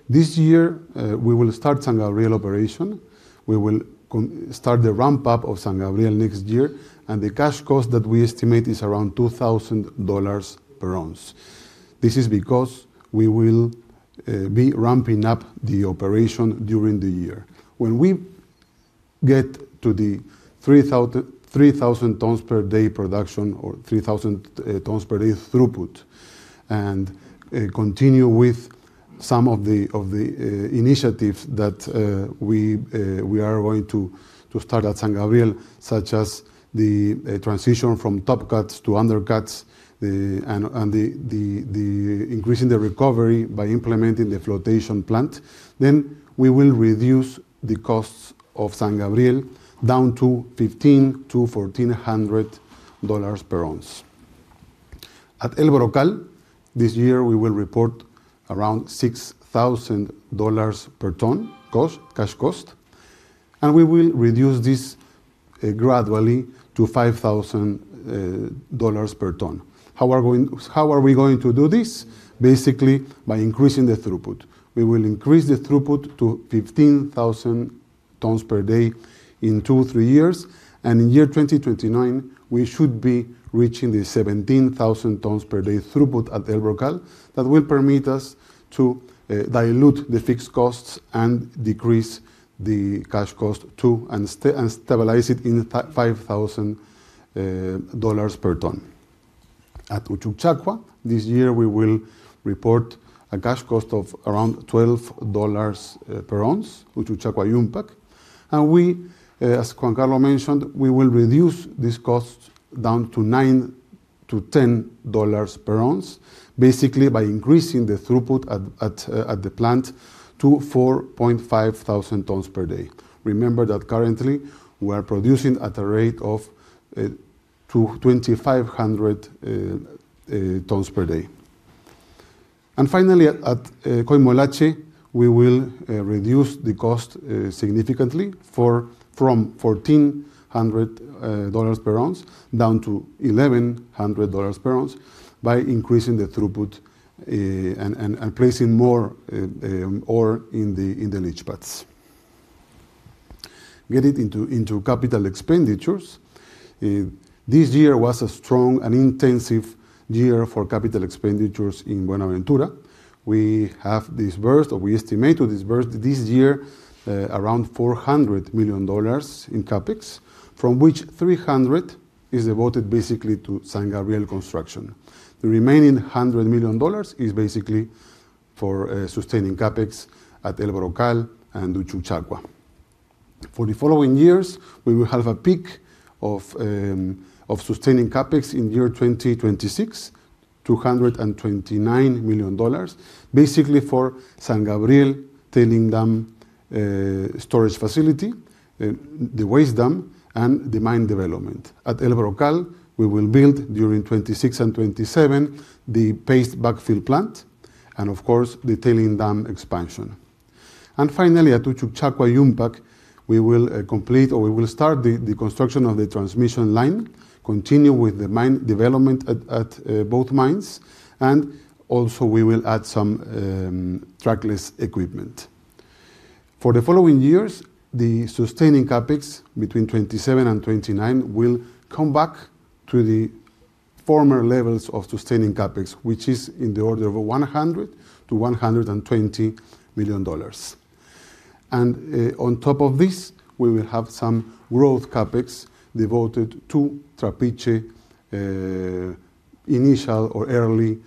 This year, we will start San Gabriel operation. We will start the ramp-up of San Gabriel next year. The cash cost that we estimate is around $2,000 per ounce. This is because we will be ramping up the operation during the year. When we get to the 3,000 tons per day production or 3,000 tons per day throughput and continue with some of the initiatives that we are going to start at San Gabriel, such as the transition from top cuts to undercuts and increasing the recovery by implementing the flotation plant, we will reduce the costs of San Gabriel down to $1,500-$1,400 per ounce. At El Brocal, this year, we will report around $6,000 per ton cash cost. We will reduce this gradually to $5,000 per ton. How are we going to do this? Basically, by increasing the throughput. We will increase the throughput to 15,000 tons per day in two, three years. In year 2029, we should be reaching the 17,000 tons per day throughput at El Brocal. That will permit us to dilute the fixed costs and decrease the cash cost to and stabilize it in $5,000 per ton. At Uchucchacua, this year, we will report a cash cost of around $12 per ounce, Uchucchacua-Yumpag. As Juan Carlos mentioned, we will reduce this cost down to $9-$10 per ounce, basically by increasing the throughput at the plant to 4,500 tons per day. Remember that currently, we are producing at a rate of 2,500 tons per day. Finally, at Coimolache, we will reduce the cost significantly from $1,400 per ounce down to $1,100 per ounce by increasing the throughput and placing more ore in the leach pads. Getting into capital expenditures, this year was a strong and intensive year for capital expenditures in Buenaventura. We have disbursed or we estimate to disburse this year around $400 million in CapEx, from which $300 million is devoted basically to San Gabriel construction. The remaining $100 million is basically for sustaining CapEx at El Brocal and Uchucchacua. For the following years, we will have a peak of sustaining CapEx in year 2026, $229 million, basically for San Gabriel tailings dam storage facility, the waste dam, and the mine development. At El Brocal, we will build during 2026 and 2027 the paste backfill plant and, of course, the tailings dam expansion. Finally, at Uchucchacua-Yumpag, we will complete or we will start the construction of the transmission line, continue with the mine development at both mines, and also we will add some trackless equipment. For the following years, the sustaining capex between 2027 and 2029 will come back to the former levels of sustaining capex, which is in the order of $100 million-$120 million. On top of this, we will have some growth capex devoted to Trapiche initial or early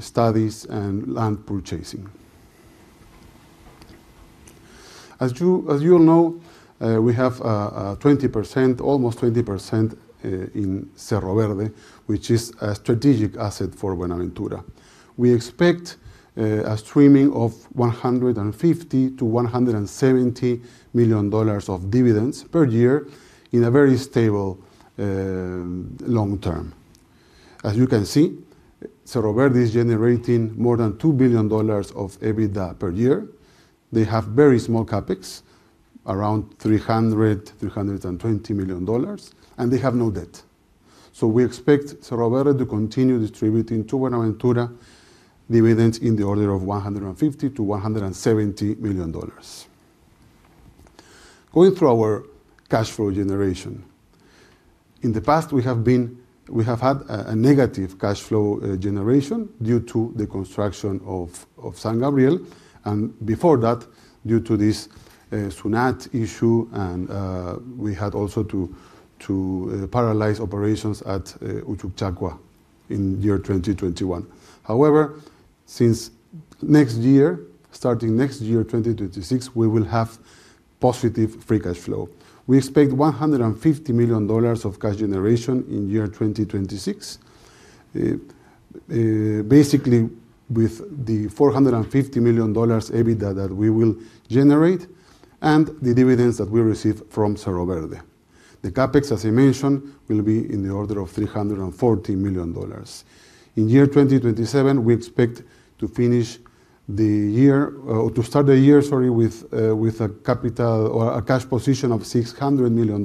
studies and land purchasing. As you all know, we have almost 20% in Cerro Verde, which is a strategic asset for Buenaventura. We expect a streaming of $150 million-$170 million of dividends per year in a very stable long term. As you can see, Cerro Verde is generating more than $2 billion of EBITDA per year. They have very small CapEx, around $300 million, $320 million, and they have no debt. We expect Cerro Verde to continue distributing to Buenaventura dividends in the order of $150 million-$170 million. Going through our cash flow generation, in the past, we have had a negative cash flow generation due to the construction of San Gabriel. Before that, due to this issue, we had also to paralyze operations at Uchucchacua in year 2021. However, since next year, starting next year 2026, we will have positive free cash flow. We expect $150 million of cash generation in year 2026, basically with the $450 million EBITDA that we will generate and the dividends that we receive from Cerro Verde. The CapEx, as I mentioned, will be in the order of $340 million. In year 2027, we expect to finish the year or to start the year, sorry, with a cash position of $600 million.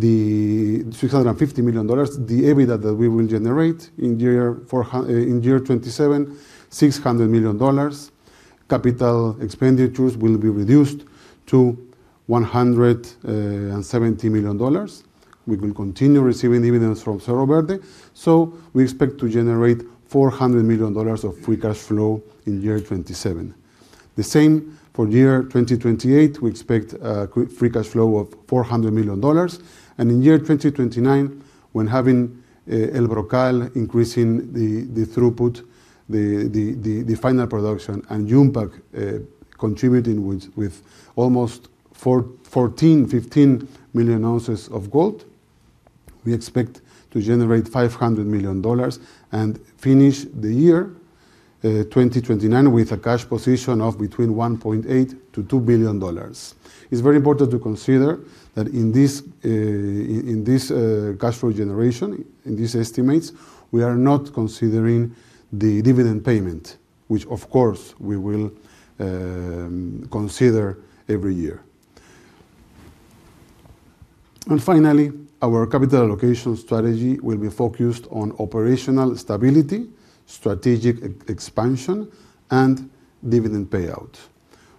The $650 million, the EBITDA that we will generate in year 2027, $600 million capital expenditures will be reduced to $170 million. We will continue receiving dividends from Cerro Verde. We expect to generate $400 million of free cash flow in year 2027. The same for year 2028, we expect a free cash flow of $400 million. In year 2029, when having El Brocal increasing the throughput, the final production, and Tambomayo contributing with almost 14-15 million ounces of gold, we expect to generate $500 million and finish the year 2029 with a cash position of between $1.8 billion-$2 billion. is very important to consider that in this cash flow generation, in these estimates, we are not considering the dividend payment, which, of course, we will consider every year. Finally, our capital allocation strategy will be focused on operational stability, strategic expansion, and dividend payout.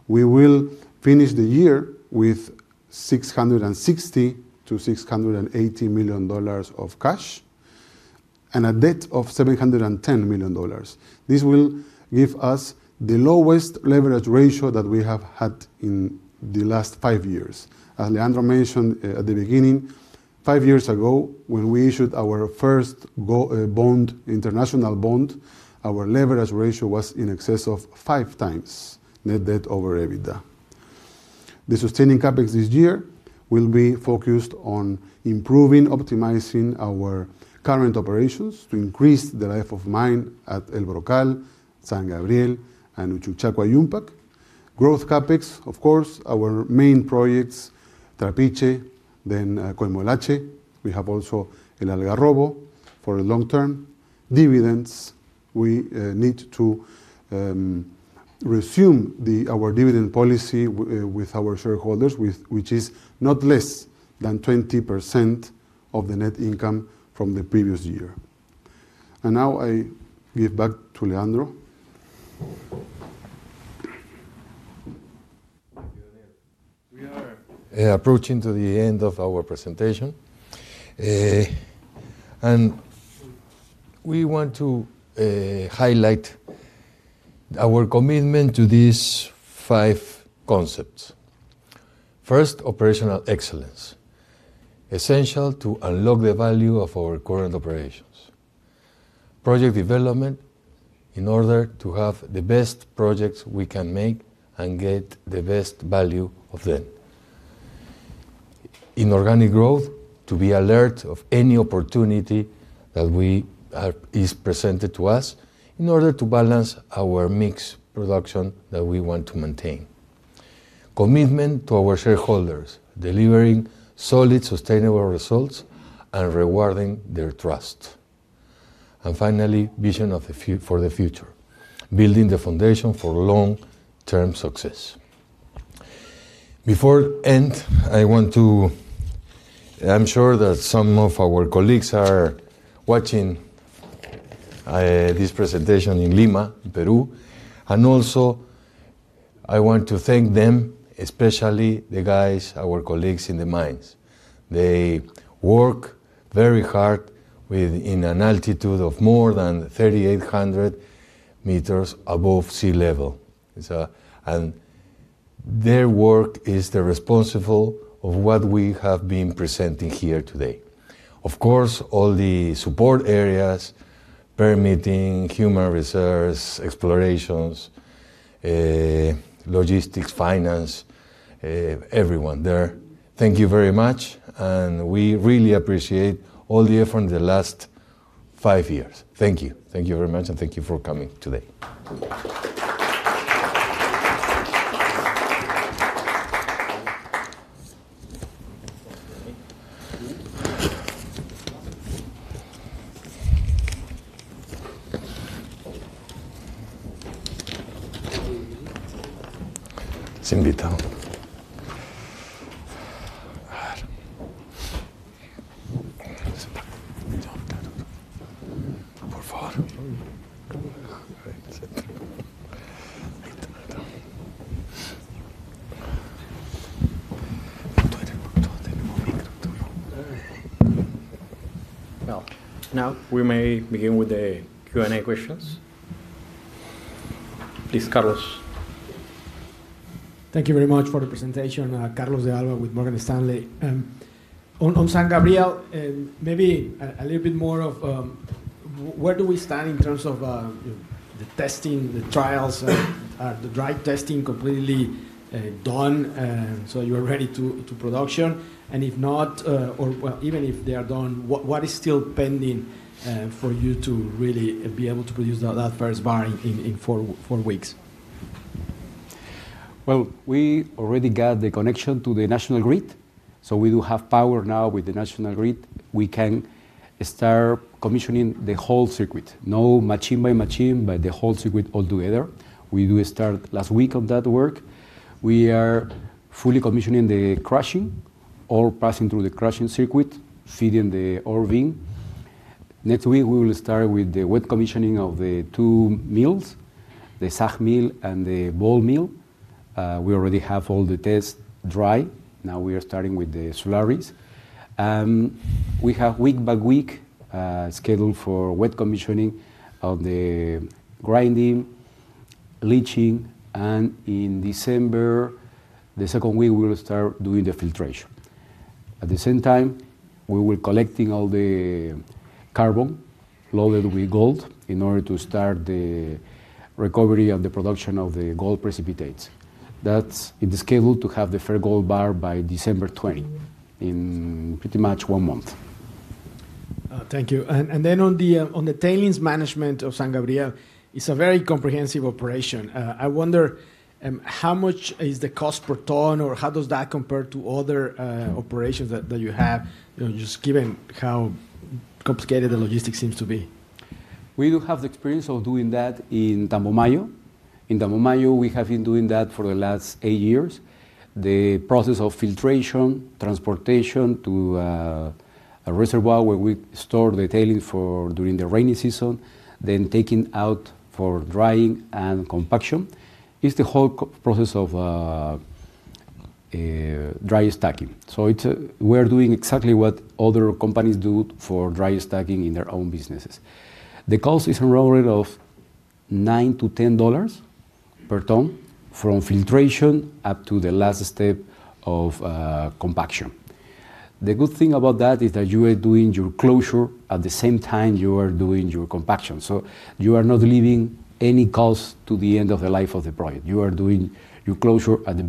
We will finish the year with $660-$680 million of cash and a debt of $710 million. This will give us the lowest leverage ratio that we have had in the last five years. As Leandro mentioned at the beginning, five years ago, when we issued our first international bond, our leverage ratio was in excess of five times net debt over EBITDA. The sustaining capex this year will be focused on improving, optimizing our current operations to increase the life of mine at El Brocal, San Gabriel, and Uchucchacua-Yumpag. Growth capex, of course, our main projects, Trapiche, then Coimolache. We have also El Algarrobo for the long term. Dividends, we need to resume our dividend policy with our shareholders, which is not less than 20% of the net income from the previous year. Now I give back to Leandro. We are approaching to the end of our presentation. We want to highlight our commitment to these five concepts. First, operational excellence, essential to unlock the value of our current operations. Project development in order to have the best projects we can make and get the best value of them. Inorganic growth to be alert of any opportunity that is presented to us in order to balance our mixed production that we want to maintain. Commitment to our shareholders, delivering solid, sustainable results and rewarding their trust. Finally, vision for the future, building the foundation for long-term success. Before end, I want to, I'm sure that some of our colleagues are watching this presentation in Lima, Peru. I also want to thank them, especially the guys, our colleagues in the mines. They work very hard in an altitude of more than 3,800 meters above sea level. Their work is the responsible of what we have been presenting here today. Of course, all the support areas, permitting, human resource, explorations, logistics, finance, everyone there. Thank you very much. We really appreciate all the effort in the last five years. Thank you. Thank you very much. Thank you for coming today. Now, we may begin with the Q&A questions. Please, Carlos. Thank you very much for the presentation, Carlos de Alba with Morgan Stanley. On San Gabriel, maybe a little bit more of where do we stand in terms of the testing, the trials, the dry testing completely done so you are ready to production? If not, or even if they are done, what is still pending for you to really be able to produce that first bar in four weeks? We already got the connection to the National Grid. We do have power now with the National Grid. We can start commissioning the whole circuit, not machine by machine, but the whole circuit altogether. We did start last week on that work. We are fully commissioning the crushing, all passing through the crushing circuit, feeding the ore bin. Next week, we will start with the wet commissioning of the two mills, the SAG mill and the ball mill. We already have all the tests dry. Now we are starting with the slurries. We have week by week scheduled for wet commissioning of the grinding, leaching. In December, the second week, we will start doing the filtration. At the same time, we will be collecting all the carbon loaded with gold in order to start the recovery of the production of the gold precipitates. That is in the schedule to have the fair gold bar by December 20, in pretty much one month. Thank you. On the tailings management of San Gabriel, it is a very comprehensive operation. I wonder how much is the cost per ton or how does that compare to other operations that you have, just given how complicated the logistics seems to be? We do have the experience of doing that in Tambomayo. In Tambomayo, we have been doing that for the last eight years. The process of filtration, transportation to a reservoir where we store the tailings during the rainy season, then taking out for drying and compaction is the whole process of dry stacking. We are doing exactly what other companies do for dry stacking in their own businesses. The cost is in the order of $9-$10 per ton from filtration up to the last step of compaction. The good thing about that is that you are doing your closure at the same time you are doing your compaction. You are not leaving any cost to the end of the life of the project. You are doing your closure at the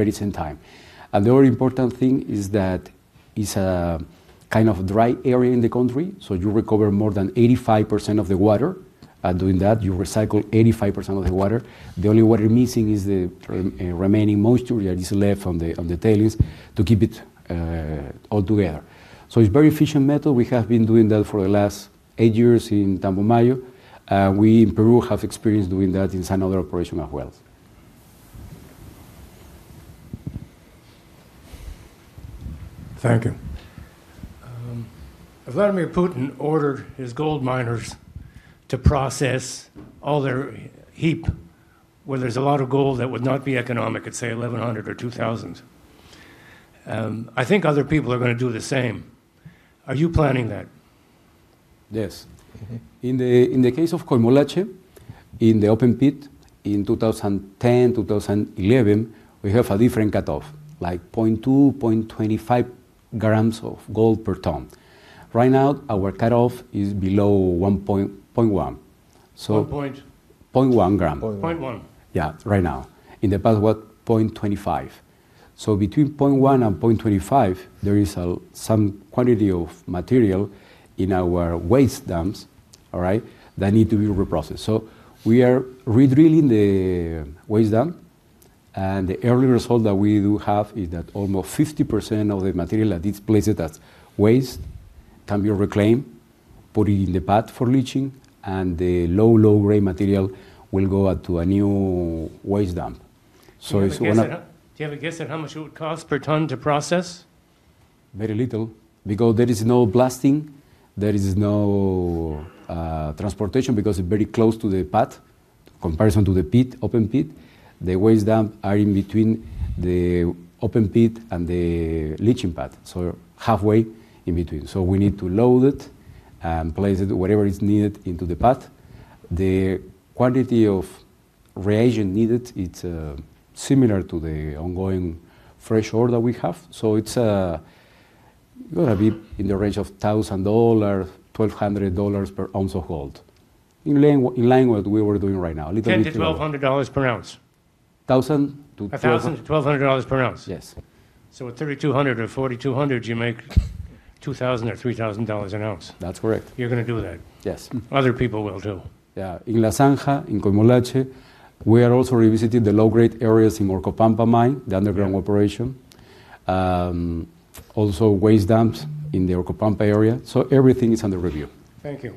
very same time. The very important thing is that it is a kind of dry area in the country. You recover more than 85% of the water by doing that. You recycle 85% of the water. The only water missing is the remaining moisture that is left on the tailings to keep it altogether. It is a very efficient method. We have been doing that for the last eight years in Tambomayo. We in Peru have experience doing that in some other operations as well. Thank you. Vladimir Putin ordered his gold miners to process all their heap where there is a lot of gold that would not be economic, let's say $1,100 or $2,000. I think other people are going to do the same. Are you planning that? Yes. In the case of Coimolache, in the open pit in 2010, 2011, we have a different cut-off, like 0.2, 0.25 grams of gold per ton. Right now, our cut-off is below 1.1. So 0.1 gram. 0.1. Yeah, right now. In the past, 0.25. Between 0.1 and 0.25, there is some quantity of material in our waste dumps that need to be reprocessed. We are re-drilling the waste dump, and the early result that we do have is that almost 50% of the material that displaces as waste can be reclaimed, put in the pad for leaching, and the low, low-grade material will go to a new waste dump. Do you have a guess at how much it would cost per ton to process? Very little, because there is no blasting, there is no transportation because it is very close to the pad. In comparison to the pit, open pit, the waste dumps are in between the open pit and the leaching pad, so halfway in between. We need to load it and place it, whatever is needed, into the pad. The quantity of reagent needed is similar to the ongoing fresh ore that we have. It is going to be in the range of $1,000-$1,200 per ounce of gold, in line with what we are doing right now. $1,000-$1,200 per ounce. Yes. With $3,200 or $4,200, you make $2,000 or $3,000 an ounce. That is correct. You are going to do that. Yes. Other people will too. In La Zanja, in Coimolache, we are also revisiting the low-grade areas in Orcopampa mine, the underground operation. Also waste dumps in the Orcopampa area. Everything is under review. Thank you.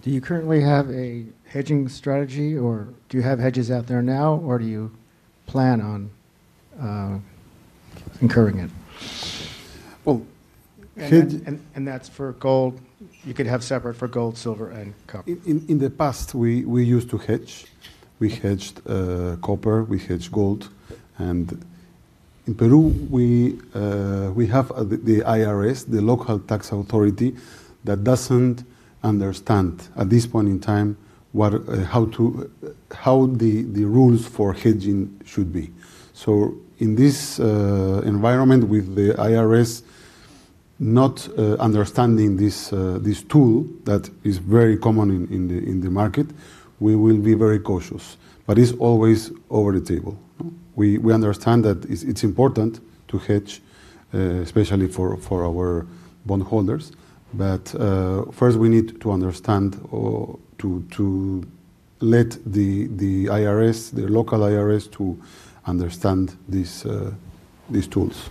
Do you currently have a hedging strategy, or do you have hedges out there now, or do you plan on incurring it? That is for gold. You could have separate for gold, silver, and copper. In the past, we used to hedge. We hedged copper, we hedged gold. In Peru, we have the IRS, the local tax authority that does not understand at this point in time how the rules for hedging should be. In this environment with the IRS not understanding this tool that is very common in the market, we will be very cautious. It is always over the table. We understand that it is important to hedge, especially for our bondholders. First, we need to understand, to let the IRS, the local IRS, understand these tools.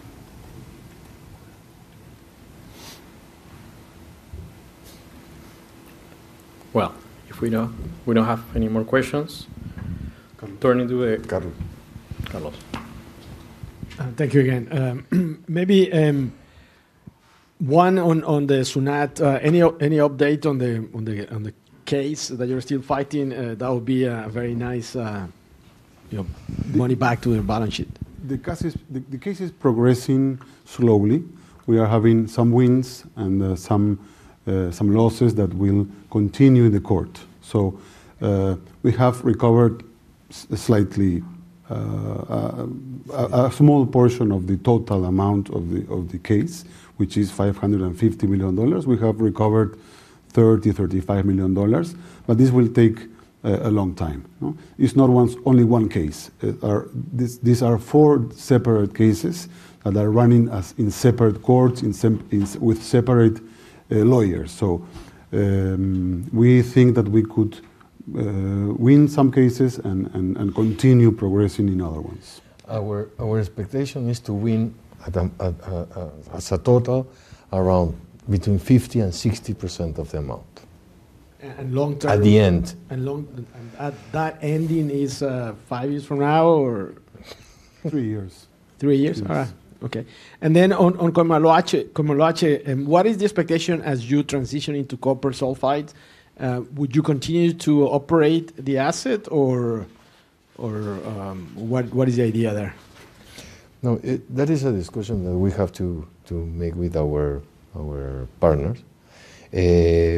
If we do not have any more questions, turn it to Carlos. Thank you again. Maybe one on the SUNAT. Any update on the case that you are still fighting? That would be a very nice money back to the balance sheet. The case is progressing slowly. We are having some wins and some losses that will continue in the court. We have recovered slightly a small portion of the total amount of the case, which is $550 million. We have recovered $30-$35 million. This will take a long time. It is not only one case. These are four separate cases that are running in separate courts with separate lawyers. We think that we could win some cases and continue progressing in other ones. Our expectation is to win as a total around between 50% and 60% of the amount. Long term. At the end. That ending is five years from now or three years. Three years. All right. Okay. On Coimolache, what is the expectation as you transition into copper sulfide? Would you continue to operate the asset, or what is the idea there? No, that is a discussion that we have to make with our partners.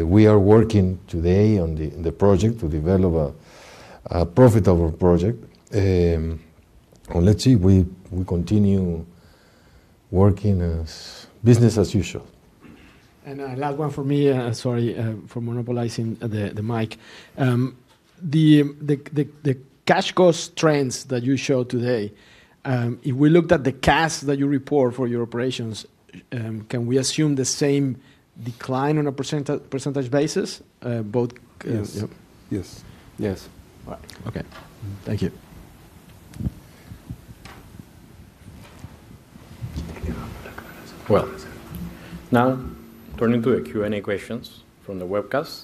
We are working today on the project to develop a profitable project. Let's see. We continue working as business as usual. Last one for me, sorry, for monopolizing the mic. The cash cost trends that you showed today, if we looked at the cash that you report for your operations, can we assume the same decline on a percentage basis? Both. Yes. Yes. Yes. All right. Thank you. Now, turning to the Q&A questions from the webcast.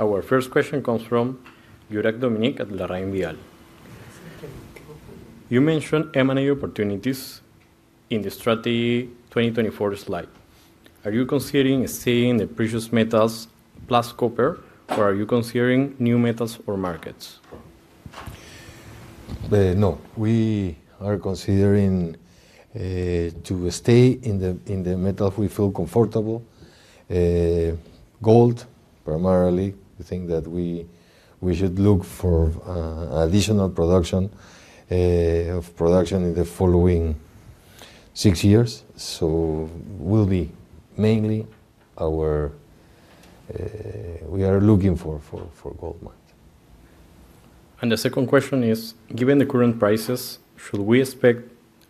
Our first question comes from Burak Dominic at LarrainVial. You mentioned M&A opportunities in the Strategy 2024 slide. Are you considering staying in the precious metals plus copper, or are you considering new metals or markets? No. We are considering to stay in the metals we feel comfortable. Gold, primarily. We think that we should look for additional production in the following six years. We'll be mainly looking for gold mines. The second question is, given the current prices, should we expect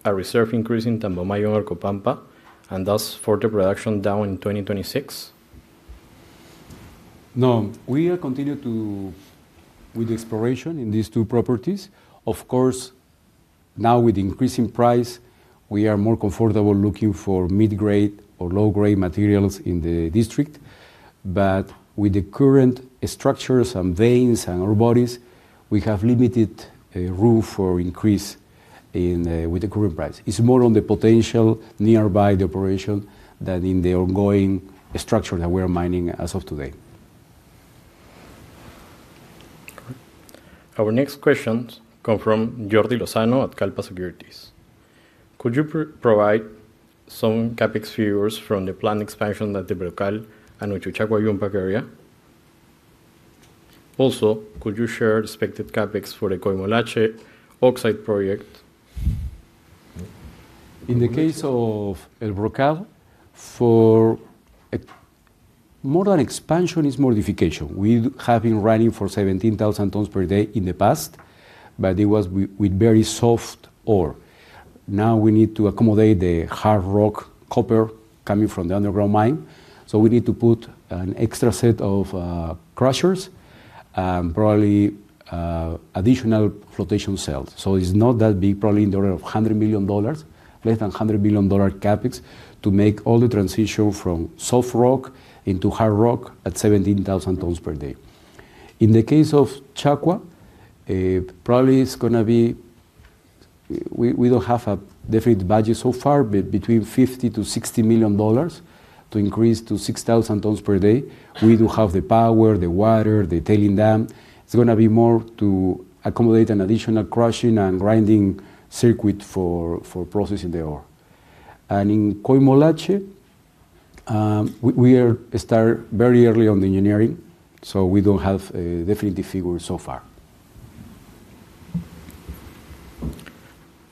a reserve increase in Tambomayo, Orcopampa, and thus further production down in 2026? No. We continue with the exploration in these two properties. Of course, now with the increasing price, we are more comfortable looking for mid-grade or low-grade materials in the district. With the current structures and veins and ore bodies, we have limited room for increase with the current price. It is more on the potential nearby the operation than in the ongoing structure that we are mining as of today. Our next question comes from Yordin Lozano at Kallpa Securities. Could you provide some CapEx figures from the planned expansion at the El Brocal and Uchucchacua-Yumpag area? Also, could you share expected CapEx for the Coimolache Oxide project? In the case of El Brocal, for more than expansion is modification. We have been running for 17,000 tons per day in the past, but it was with very soft ore. Now we need to accommodate the hard rock copper coming from the underground mine. We need to put an extra set of crushers and probably additional flotation cells. It is not that big, probably in the order of $100 million, less than $100 million CapEx to make all the transition from soft rock into hard rock at 17,000 tons per day. In the case of Chacua, probably it is going to be, we do not have a definite budget so far, but between $50-$60 million to increase to 6,000 tons per day. We do have the power, the water, the tailings dam. It's going to be more to accommodate an additional crushing and grinding circuit for processing the ore. In Coimolache, we start very early on the engineering. We do not have a definite figure so far.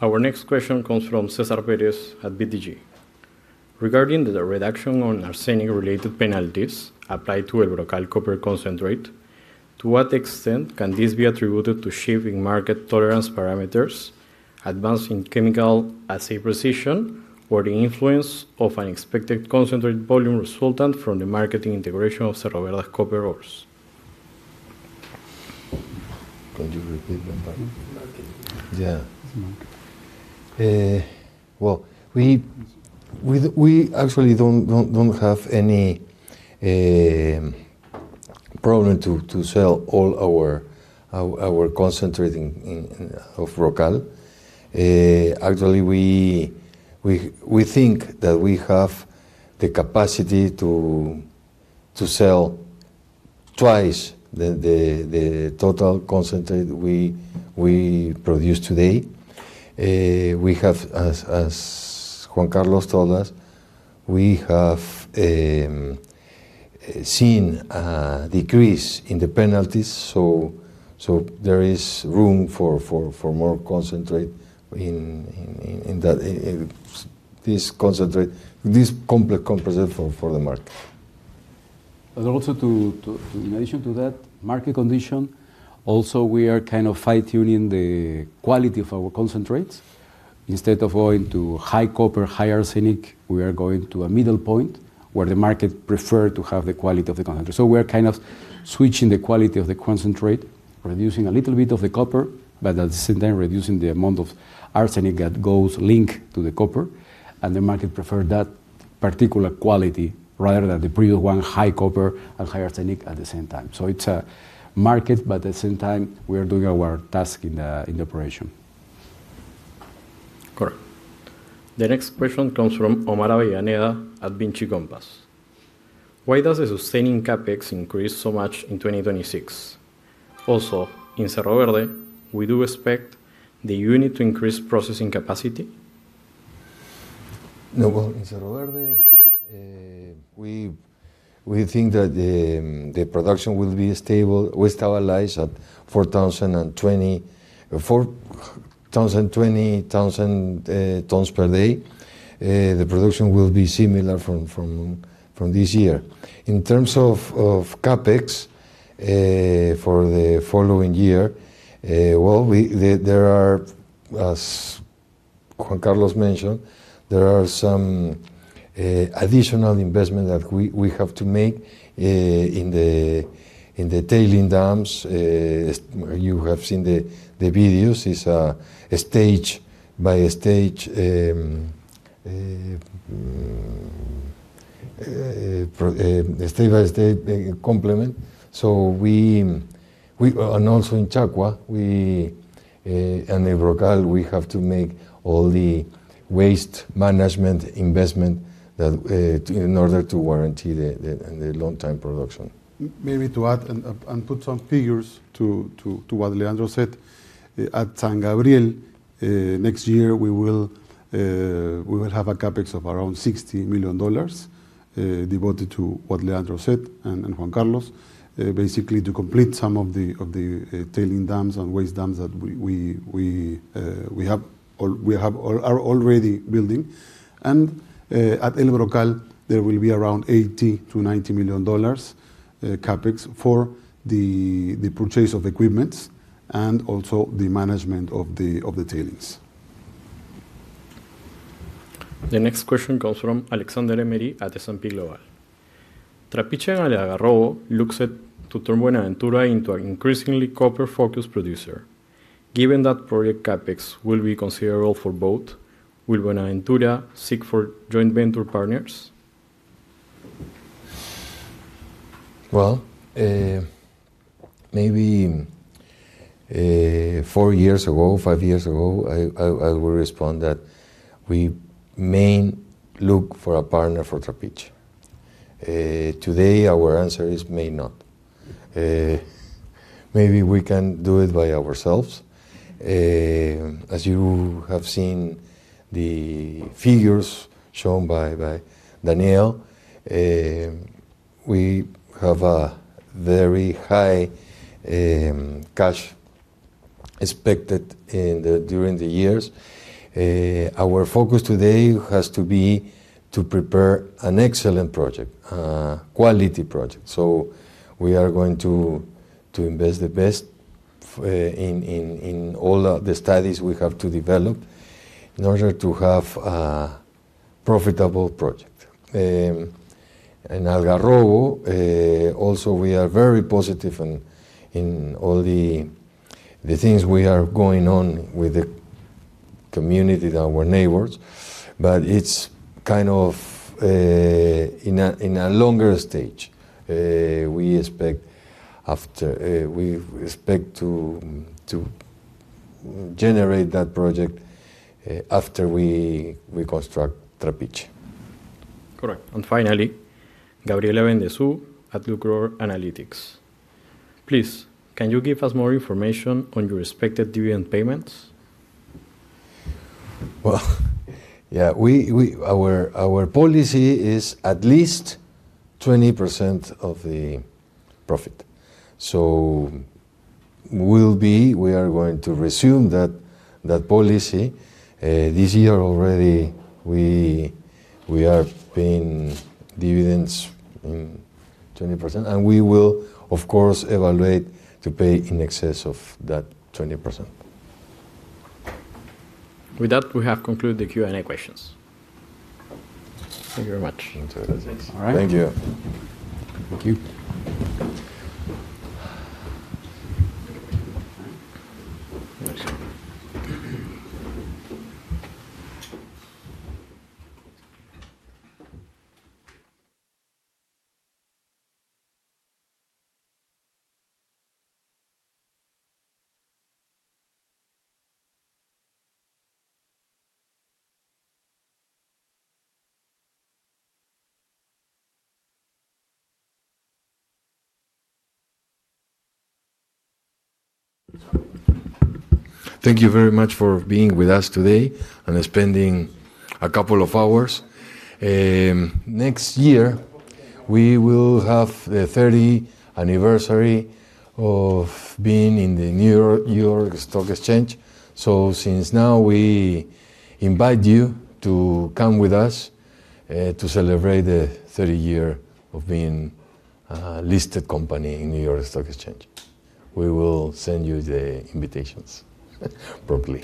Our next question comes from Cesar Perez at BDG. Regarding the redaction on arsenic-related penalties applied to El Brocal copper concentrate, to what extent can this be attributed to shifting market tolerance parameters, advancing chemical assay precision, or the influence of unexpected concentrate volume resultant from the marketing integration of Cerro Verde's copper ores? Can you repeat that? Yeah. We actually do not have any problem to sell all our concentrate of Brocal. Actually, we think that we have the capacity to sell twice the total concentrate we produce today. We have, as Juan Carlos told us, seen a decrease in the penalties. There is room for more concentrate in this complex concept for the market. Also, in addition to that market condition, we are kind of fine-tuning the quality of our concentrates. Instead of going to high copper, high arsenic, we are going to a middle point where the market prefers to have the quality of the concentrate. We are kind of switching the quality of the concentrate, reducing a little bit of the copper, but at the same time reducing the amount of arsenic that goes linked to the copper. The market prefers that particular quality rather than the previous one, high copper and high arsenic at the same time. It is a market, but at the same time, we are doing our task in the operation. Correct. The next question comes from Omar Avellaneda at Vinci Compass. Why does the sustaining CapEx increase so much in 2026? Also, in Cerro Verde, we do expect the unit to increase processing capacity. No. In Cerro Verde, we think that the production will be stable. We stabilize at 4,020 tons per day. The production will be similar from this year. In terms of CapEx for the following year, Juan Carlos mentioned, there are some additional investments that we have to make in the tailings dams. You have seen the videos. It is a stage by stage, stage by stage complement. Also in Chacua and El Brocal, we have to make all the waste management investment in order to warranty the long-time production. Maybe to add and put some figures to what Leandro said, at San Gabriel, next year, we will have a CapEx of around $60 million devoted to what Leandro said and Juan Carlos, basically to complete some of the tailings dams and waste dams that we have already building. At El Brocal, there will be around $80 million-$90 million CapEx for the purchase of equipment and also the management of the tailings. The next question comes from Alexander Emery at S&P Global. Trapiche Algarrobo looks to turn Buenaventura into an increasingly copper-focused producer. Given that project CapEx will be considerable for both, will Buenaventura seek for joint venture partners? Four years ago, five years ago, I would respond that we may look for a partner for Trapiche. Today, our answer is may not. Maybe we can do it by ourselves. As you have seen, the figures shown by Daniel, we have a very high cash expected during the years. Our focus today has to be to prepare an excellent project, a quality project. We are going to invest the best in all the studies we have to develop in order to have a profitable project. In Algarrobo, also, we are very positive in all the things we are going on with the community, our neighbors. It is kind of in a longer stage. We expect to generate that project after we construct Trapiche. Correct. Finally, Gabriela Bendezu at Lucror Analytics, please, can you give us more information on your expected dividend payments? Our policy is at least 20% of the profit. We are going to resume that policy. This year already, we are paying dividends in 20%. We will, of course, evaluate to pay in excess of that 20%. With that, we have concluded the Q&A questions. Thank you very much. Thank you. Thank you. Thank you very much for being with us today and spending a couple of hours. Next year, we will have the 30th anniversary of being in the New York Stock Exchange. Since now, we invite you to come with us to celebrate the 30 years of being a listed company in New York Stock Exchange. We will send you the invitations promptly.